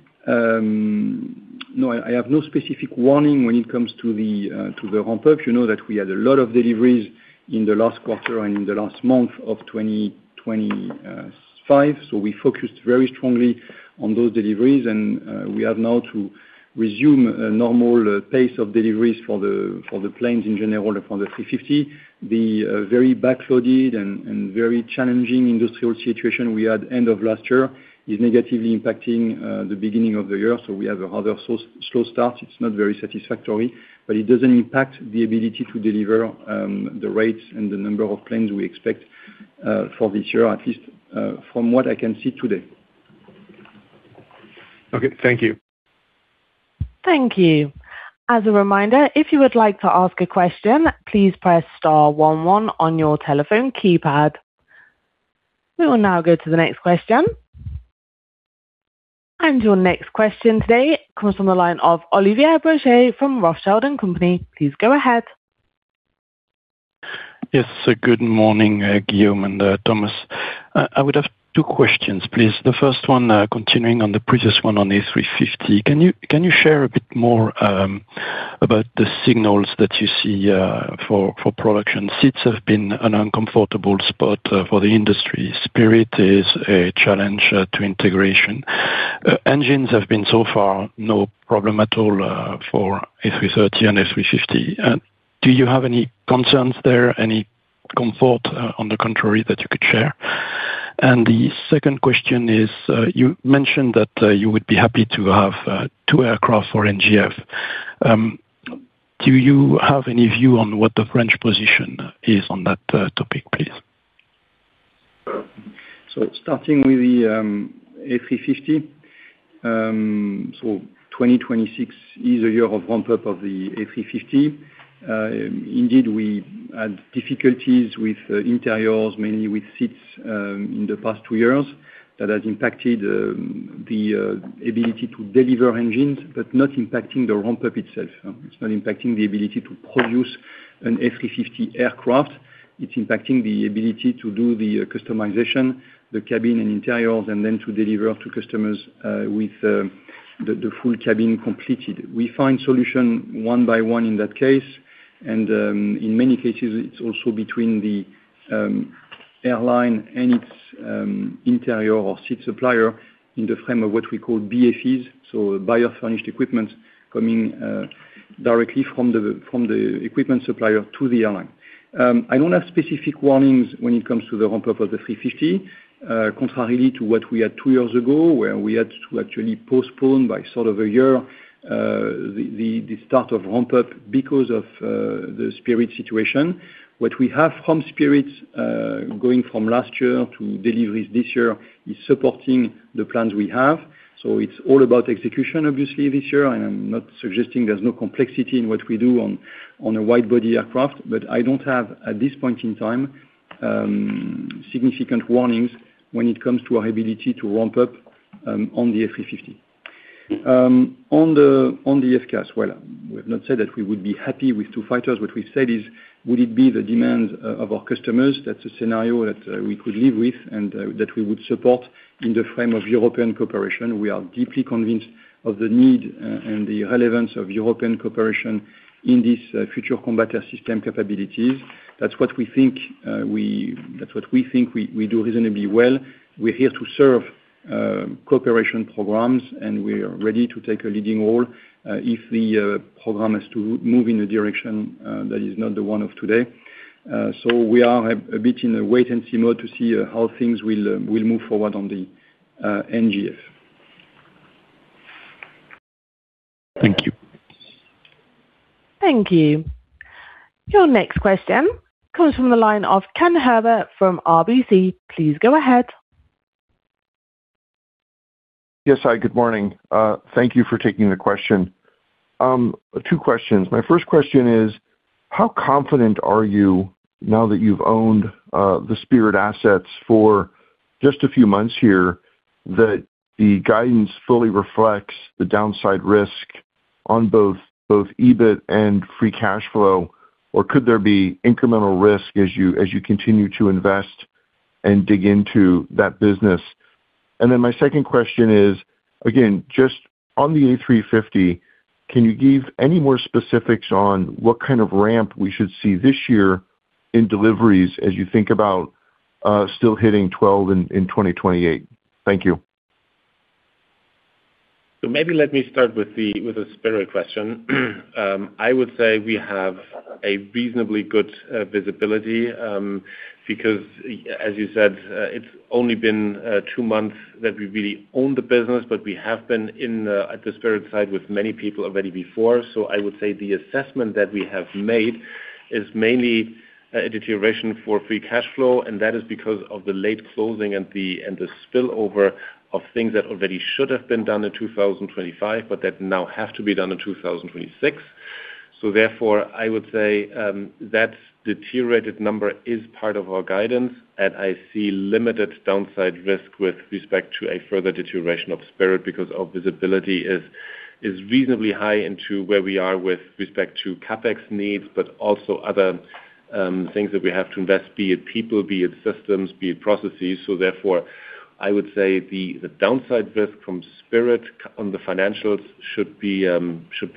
no, I have no specific warning when it comes to the ramp-up. You know that we had a lot of deliveries in the last quarter and in the last month of 2025, so we focused very strongly on those deliveries, and we have now to resume a normal pace of deliveries for the planes in general and for the 350. The very backloaded and very challenging industrial situation we had end of last year is negatively impacting the beginning of the year, so we have a rather slow start. It's not very satisfactory, but it doesn't impact the ability to deliver the rates and the number of planes we expect for this year, at least, from what I can see today. Okay, thank you. Thank you. As a reminder, if you would like to ask a question, please press star one one on your telephone keypad. We will now go to the next question. Your next question today comes from the line of Olivier Brochet from Rothschild and Company. Please go ahead. Yes, good morning, Guillaume and Thomas. I would have two questions, please. The first one, continuing on the previous one on A350. Can you share a bit more about the signals that you see for production? Seats have been an uncomfortable spot for the industry. Spirit is a challenge to integration. Engines have been so far no problem at all for A330 and A350. Do you have any concerns there, any comfort on the contrary, that you could share? And the second question is, you mentioned that you would be happy to have two aircraft for NGF. Do you have any view on what the French position is on that topic, please? So starting with the A350. 2026 is a year of ramp-up of the A350. Indeed, we had difficulties with interiors, mainly with seats, in the past two years. That has impacted the ability to deliver engines, but not impacting the ramp-up itself. It's not impacting the ability to produce an A350 aircraft. It's impacting the ability to do the customization, the cabin and interiors, and then to deliver to customers with the full cabin completed. We find solution one by one in that case, and in many cases it's also between the airline and its interior or seat supplier in the frame of what we call BFEs, so Buyer Furnished Equipment coming directly from the equipment supplier to the airline. I don't have specific warnings when it comes to the ramp-up of the A350, contrarily to what we had two years ago, where we had to actually postpone by sort of a year, the start of ramp-up because of the Spirit situation. What we have from Spirit, going from last year to deliveries this year, is supporting the plans we have. So it's all about execution, obviously, this year, and I'm not suggesting there's no complexity in what we do on a wide-body aircraft, but I don't have, at this point in time, significant warnings when it comes to our ability to ramp-up on the A350. On the FCAS, well, we have not said that we would be happy with two fighters. What we've said is, would it be the demand of our customers? That's a scenario that we could live with and that we would support in the frame of European cooperation. We are deeply convinced of the need and the relevance of European cooperation in this future combat system capabilities. That's what we think we do reasonably well. We're here to serve cooperation programs, and we are ready to take a leading role if the program is to move in a direction that is not the one of today. So we are a bit in a wait and see mode to see how things will move forward on the NGF. Thank you. Thank you. Your next question comes from the line of Ken Herbert from RBC. Please go ahead. Yes, hi, good morning. Thank you for taking the question. Two questions. My first question is, how confident are you now that you've owned the Spirit assets for just a few months here, that the guidance fully reflects the downside risk on both, both EBIT and free cash flow? Or could there be incremental risk as you continue to invest and dig into that business? And then my second question is, again, just on the A350, can you give any more specifics on what kind of ramp we should see this year in deliveries as you think about still hitting 12 in 2028? Thank you. So maybe let me start with the, with the Spirit question. I would say we have a reasonably good visibility because as you said, it's only been two months that we really own the business, but we have been in at the Spirit site with many people already before. So I would say the assessment that we have made is mainly a deterioration for free cash flow, and that is because of the late closing and the, and the spillover of things that already should have been done in 2025, but that now have to be done in 2026. So therefore, I would say that deteriorated number is part of our guidance, and I see limited downside risk with respect to a further deterioration of Spirit because our visibility is... is reasonably high into where we are with respect to CapEx needs, but also other things that we have to invest, be it people, be it systems, be it processes. So therefore, I would say the downside risk from Spirit on the financials should be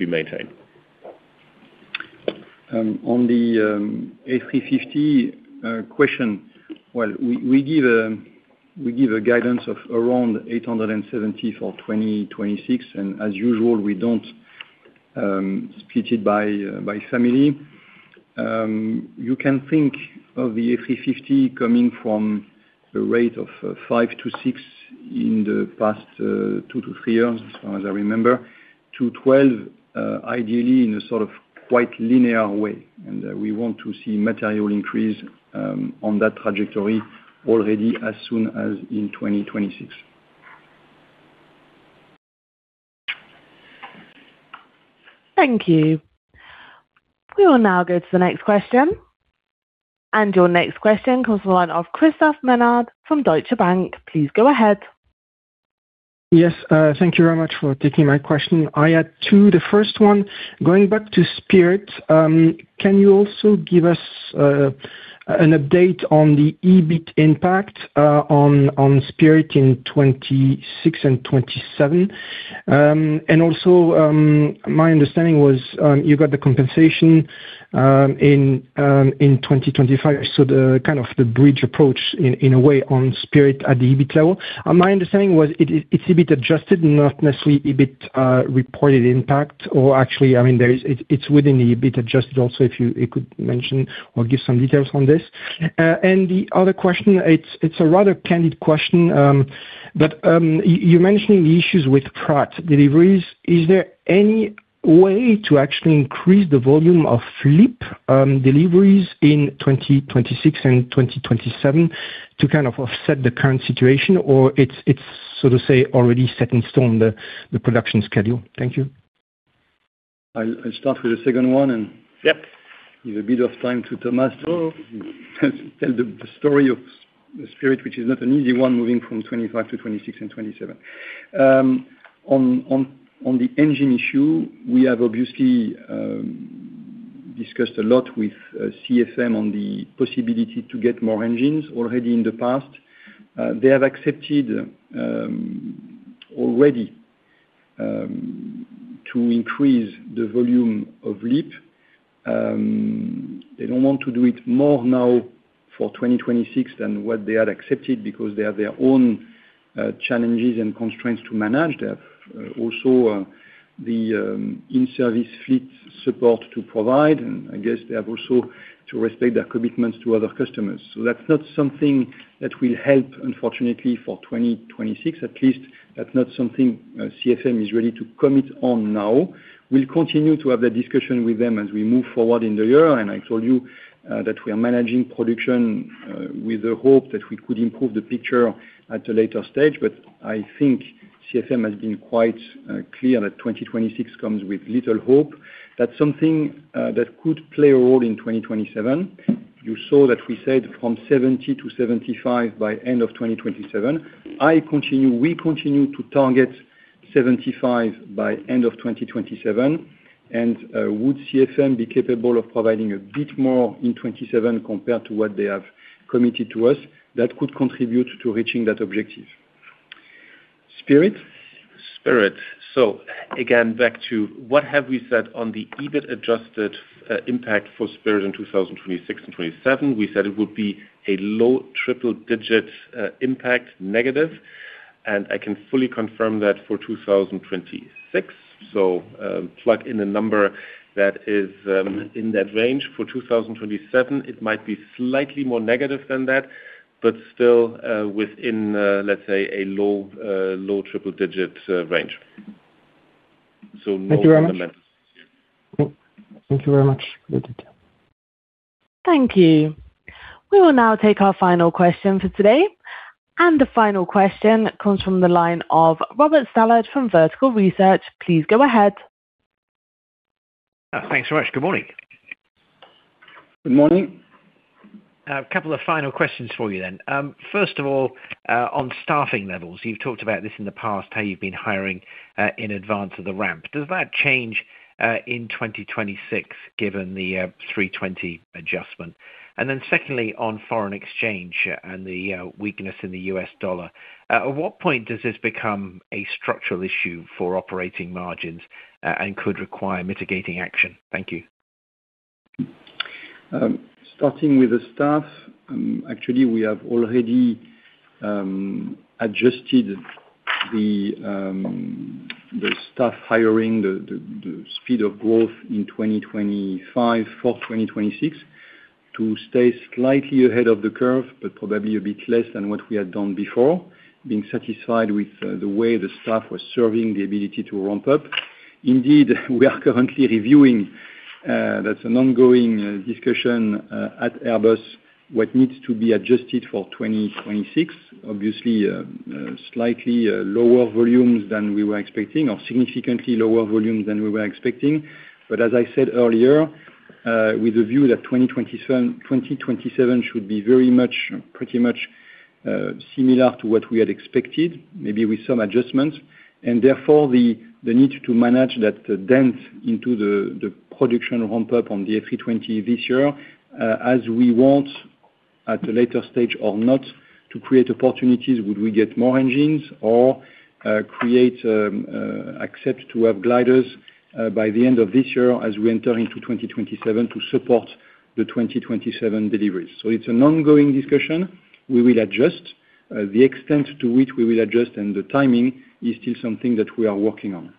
maintained. On the A350 question, well, we give a guidance of around 870 for 2026, and as usual, we don't split it by family. You can think of the A350 coming from a rate of five to six in the past two to three years, as far as I remember, to 12, ideally in a sort of quite linear way. And we want to see material increase on that trajectory already as soon as in 2026. Thank you. We will now go to the next question. Your next question comes from the line of Christophe Menard from Deutsche Bank. Please go ahead. Yes, thank you very much for taking my question. I had two, the first one, going back to Spirit, can you also give us an update on the EBIT impact, on Spirit in 2026 and 2027? And also, my understanding was, you got the compensation, in 2025, so the kind of the bridge approach in a way, on Spirit at the EBIT level. My understanding was it, it's EBIT adjusted, not necessarily EBIT, reported impact or actually, I mean, there is, it's within the EBIT adjusted. Also, if you could mention or give some details on this. And the other question, it's a rather candid question, but you mentioning the issues with Pratt deliveries, is there any way to actually increase the volume of LEAP deliveries in 2026 and 2027 to kind of offset the current situation? Or it's so to say already set in stone, the production schedule? Thank you. I'll start with the second one, and- Yep. Leave a bit of time to Thomas to tell the story of Spirit, which is not an easy one, moving from 2025-2026 and 2027. On the engine issue, we have obviously discussed a lot with CFM on the possibility to get more engines already in the past. They have accepted already to increase the volume of LEAP. They don't want to do it more now for 2026 than what they had accepted because they have their own challenges and constraints to manage. They have also the in-service fleet support to provide, and I guess they have also to respect their commitments to other customers. So that's not something that will help, unfortunately, for 2026, at least that's not something CFM is ready to commit on now. We'll continue to have that discussion with them as we move forward in the year, and I told you, that we are managing production, with the hope that we could improve the picture at a later stage. But I think CFM has been quite, clear that 2026 comes with little hope. That's something, that could play a role in 2027. You saw that we said from 70 to 75 by end of 2027. I continue, we continue to target 75 by end of 2027, and, would CFM be capable of providing a bit more in 2027 compared to what they have committed to us? That could contribute to reaching that objective. Spirit? Spirit. So again, back to what have we said on the EBIT-adjusted impact for Spirit in 2026 and 2027, we said it would be a low triple-digit impact, negative, and I can fully confirm that for 2026. So, plug in a number that is in that range. For 2027, it might be slightly more negative than that, but still within, let's say, a low low triple-digit range. So no- Thank you very much. Yeah. Thank you very much for the detail. Thank you. We will now take our final question for today. The final question comes from the line of Robert Stallard from Vertical Research. Please go ahead. Thanks so much. Good morning. Good morning. A couple of final questions for you then. First of all, on staffing levels, you've talked about this in the past, how you've been hiring, in advance of the ramp. Does that change, in 2026, given the, 320 adjustment? And then secondly, on foreign exchange and the, weakness in the U.S. dollar, at what point does this become a structural issue for operating margins, and could require mitigating action? Thank you. Starting with the staff, actually, we have already adjusted the staff hiring, the speed of growth in 2025 for 2026 to stay slightly ahead of the curve, but probably a bit less than what we had done before, being satisfied with the way the staff was serving the ability to ramp-up. Indeed, we are currently reviewing, that's an ongoing discussion at Airbus, what needs to be adjusted for 2026. Obviously, slightly lower volumes than we were expecting or significantly lower volumes than we were expecting. But as I said earlier, with a view that 2027, 2027 should be very much, pretty much-... Similar to what we had expected, maybe with some adjustments, and therefore, the need to manage that dent into the production ramp-up on the A320 this year, as we want, at a later stage or not, to create opportunities, would we get more engines or, create, accept to have gliders, by the end of this year as we enter into 2027 to support the 2027 deliveries? So it's an ongoing discussion. We will adjust. The extent to which we will adjust and the timing is still something that we are working on.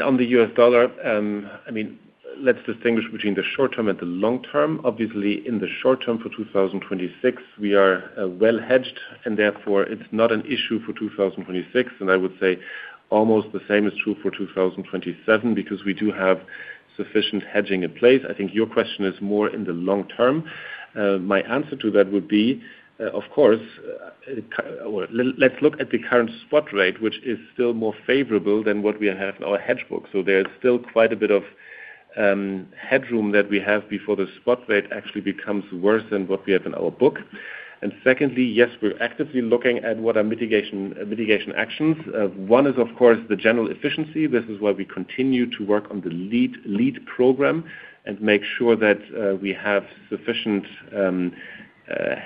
On the U.S. dollar, I mean, let's distinguish between the short term and the long term. Obviously, in the short term, for 2026, we are well hedged, and therefore, it's not an issue for 2026, and I would say almost the same is true for 2027 because we do have sufficient hedging in place. I think your question is more in the long term. My answer to that would be, of course, let's look at the current spot rate, which is still more favorable than what we have in our hedge book. So there is still quite a bit of headroom that we have before the spot rate actually becomes worse than what we have in our book. And secondly, yes, we're actively looking at what are mitigation, mitigation actions. One is, of course, the general efficiency. This is why we continue to work on the LEAP program and make sure that we have sufficient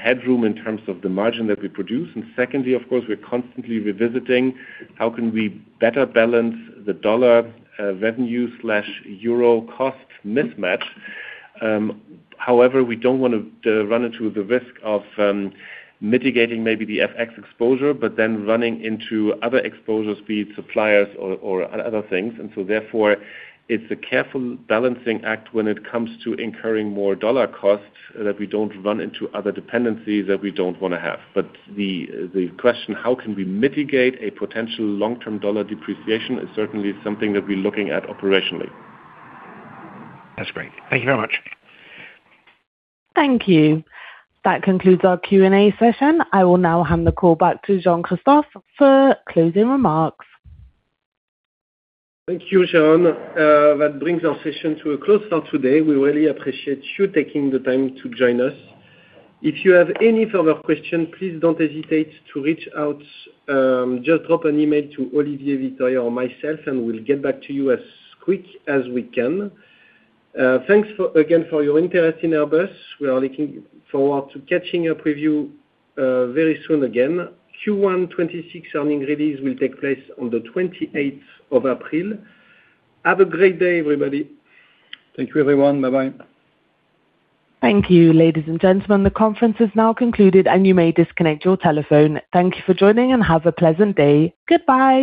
headroom in terms of the margin that we produce. Secondly, of course, we're constantly revisiting how can we better balance the U.S. dollar revenue slash euro cost mismatch. However, we don't want to run into the risk of mitigating maybe the FX exposure, but then running into other exposures, be it suppliers or other things. So therefore, it's a careful balancing act when it comes to incurring more U.S. dollar costs that we don't run into other dependencies that we don't wanna have. But the question, how can we mitigate a potential long-term U.S. dollar depreciation is certainly something that we're looking at operationally. That's great. Thank you very much. Thank you. That concludes our Q&A session. I will now hand the call back to Jean-Christophe for closing remarks. Thank you, Sharon. That brings our session to a close for today. We really appreciate you taking the time to join us. If you have any further questions, please don't hesitate to reach out. Just drop an email to Olivier, Victoria, or myself, and we'll get back to you as quick as we can. Thanks for, again, for your interest in Airbus. We are looking forward to catching up with you, very soon again. Q1 2026 earnings release will take place on the 28th of April. Have a great day, everybody. Thank you, everyone. Bye-bye. Thank you, ladies, and gentlemen, the conference is now concluded, and you may disconnect your telephone. Thank you for joining, and have a pleasant day. Goodbye.